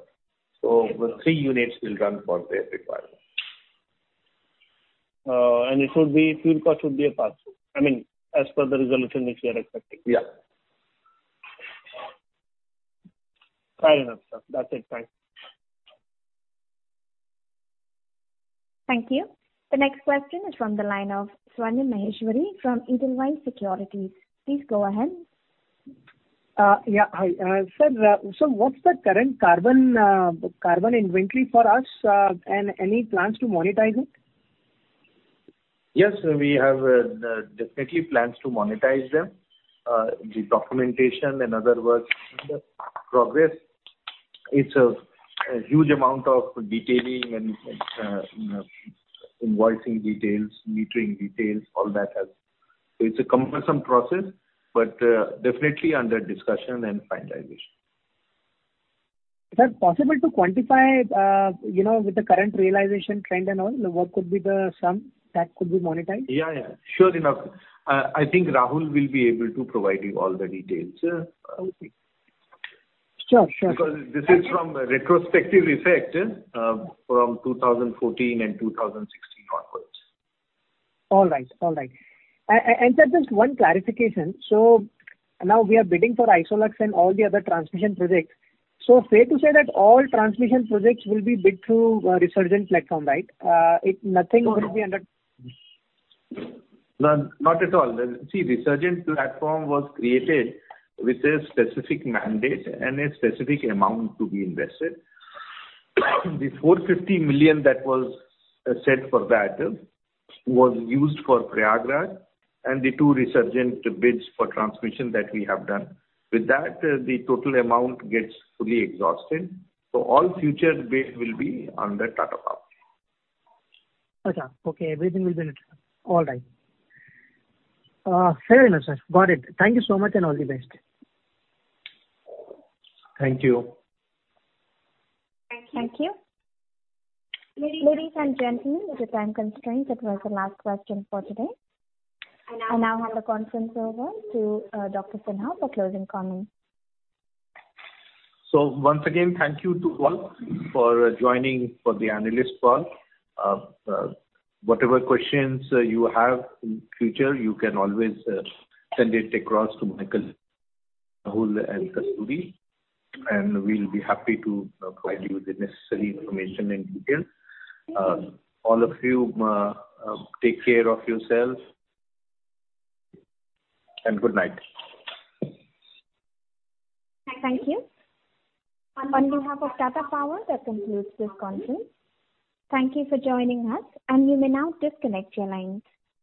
MW. Three units will run for their requirement. It would be, fuel cost would be a pass, I mean, as per the resolution which we are expecting. Yeah. Fair enough, sir. That's it. Thanks. Thank you. The next question is from the line of Swarnim Maheshwari from Edelweiss Securities. Please go ahead. Sir, what's the current carbon inventory for us, and any plans to monetize it? Yes, we have definite plans to monetize them. The documentation and other work is in progress. It's a huge amount of detailing and, you know, invoicing details, metering details, all that has. It's a cumbersome process, but definitely under discussion and finalization. Is that possible to quantify, you know, with the current realization trend and all, what could be the sum that could be monetized? Yeah, yeah. Sure enough. I think Rahul will be able to provide you all the details. Okay. Sure, sure. Because this is from retrospective effect, from 2014 and 2016 onwards. All right. Sir, just one clarification. Now we are bidding for Isolux and all the other transmission projects. Fair to say that all transmission projects will be bid through Resurgent platform, right? Nothing will be under- No, not at all. See, Resurgent Power platform was created with a specific mandate and a specific amount to be invested. The 450 million that was set for that was used for Prayagraj and the two Resurgent Power bids for transmission that we have done. With that, the total amount gets fully exhausted. All future bids will be under Tata Power. Okay. Everything will be under Tata. All right. Fair enough, sir. Got it. Thank you so much and all the best. Thank you. Thank you. Ladies and gentlemen, due to time constraints, that was the last question for today. I now hand the conference over to Dr. Praveer Sinha for closing comments. Once again, thank you to all for joining for the analyst call. Whatever questions you have in future, you can always send it across to Michael, Rahul and Kasturi, and we'll be happy to provide you with the necessary information and details. All of you take care of yourselves and good night. Thank you. On behalf of Tata Power, that concludes this conference. Thank you for joining us, and you may now disconnect your lines.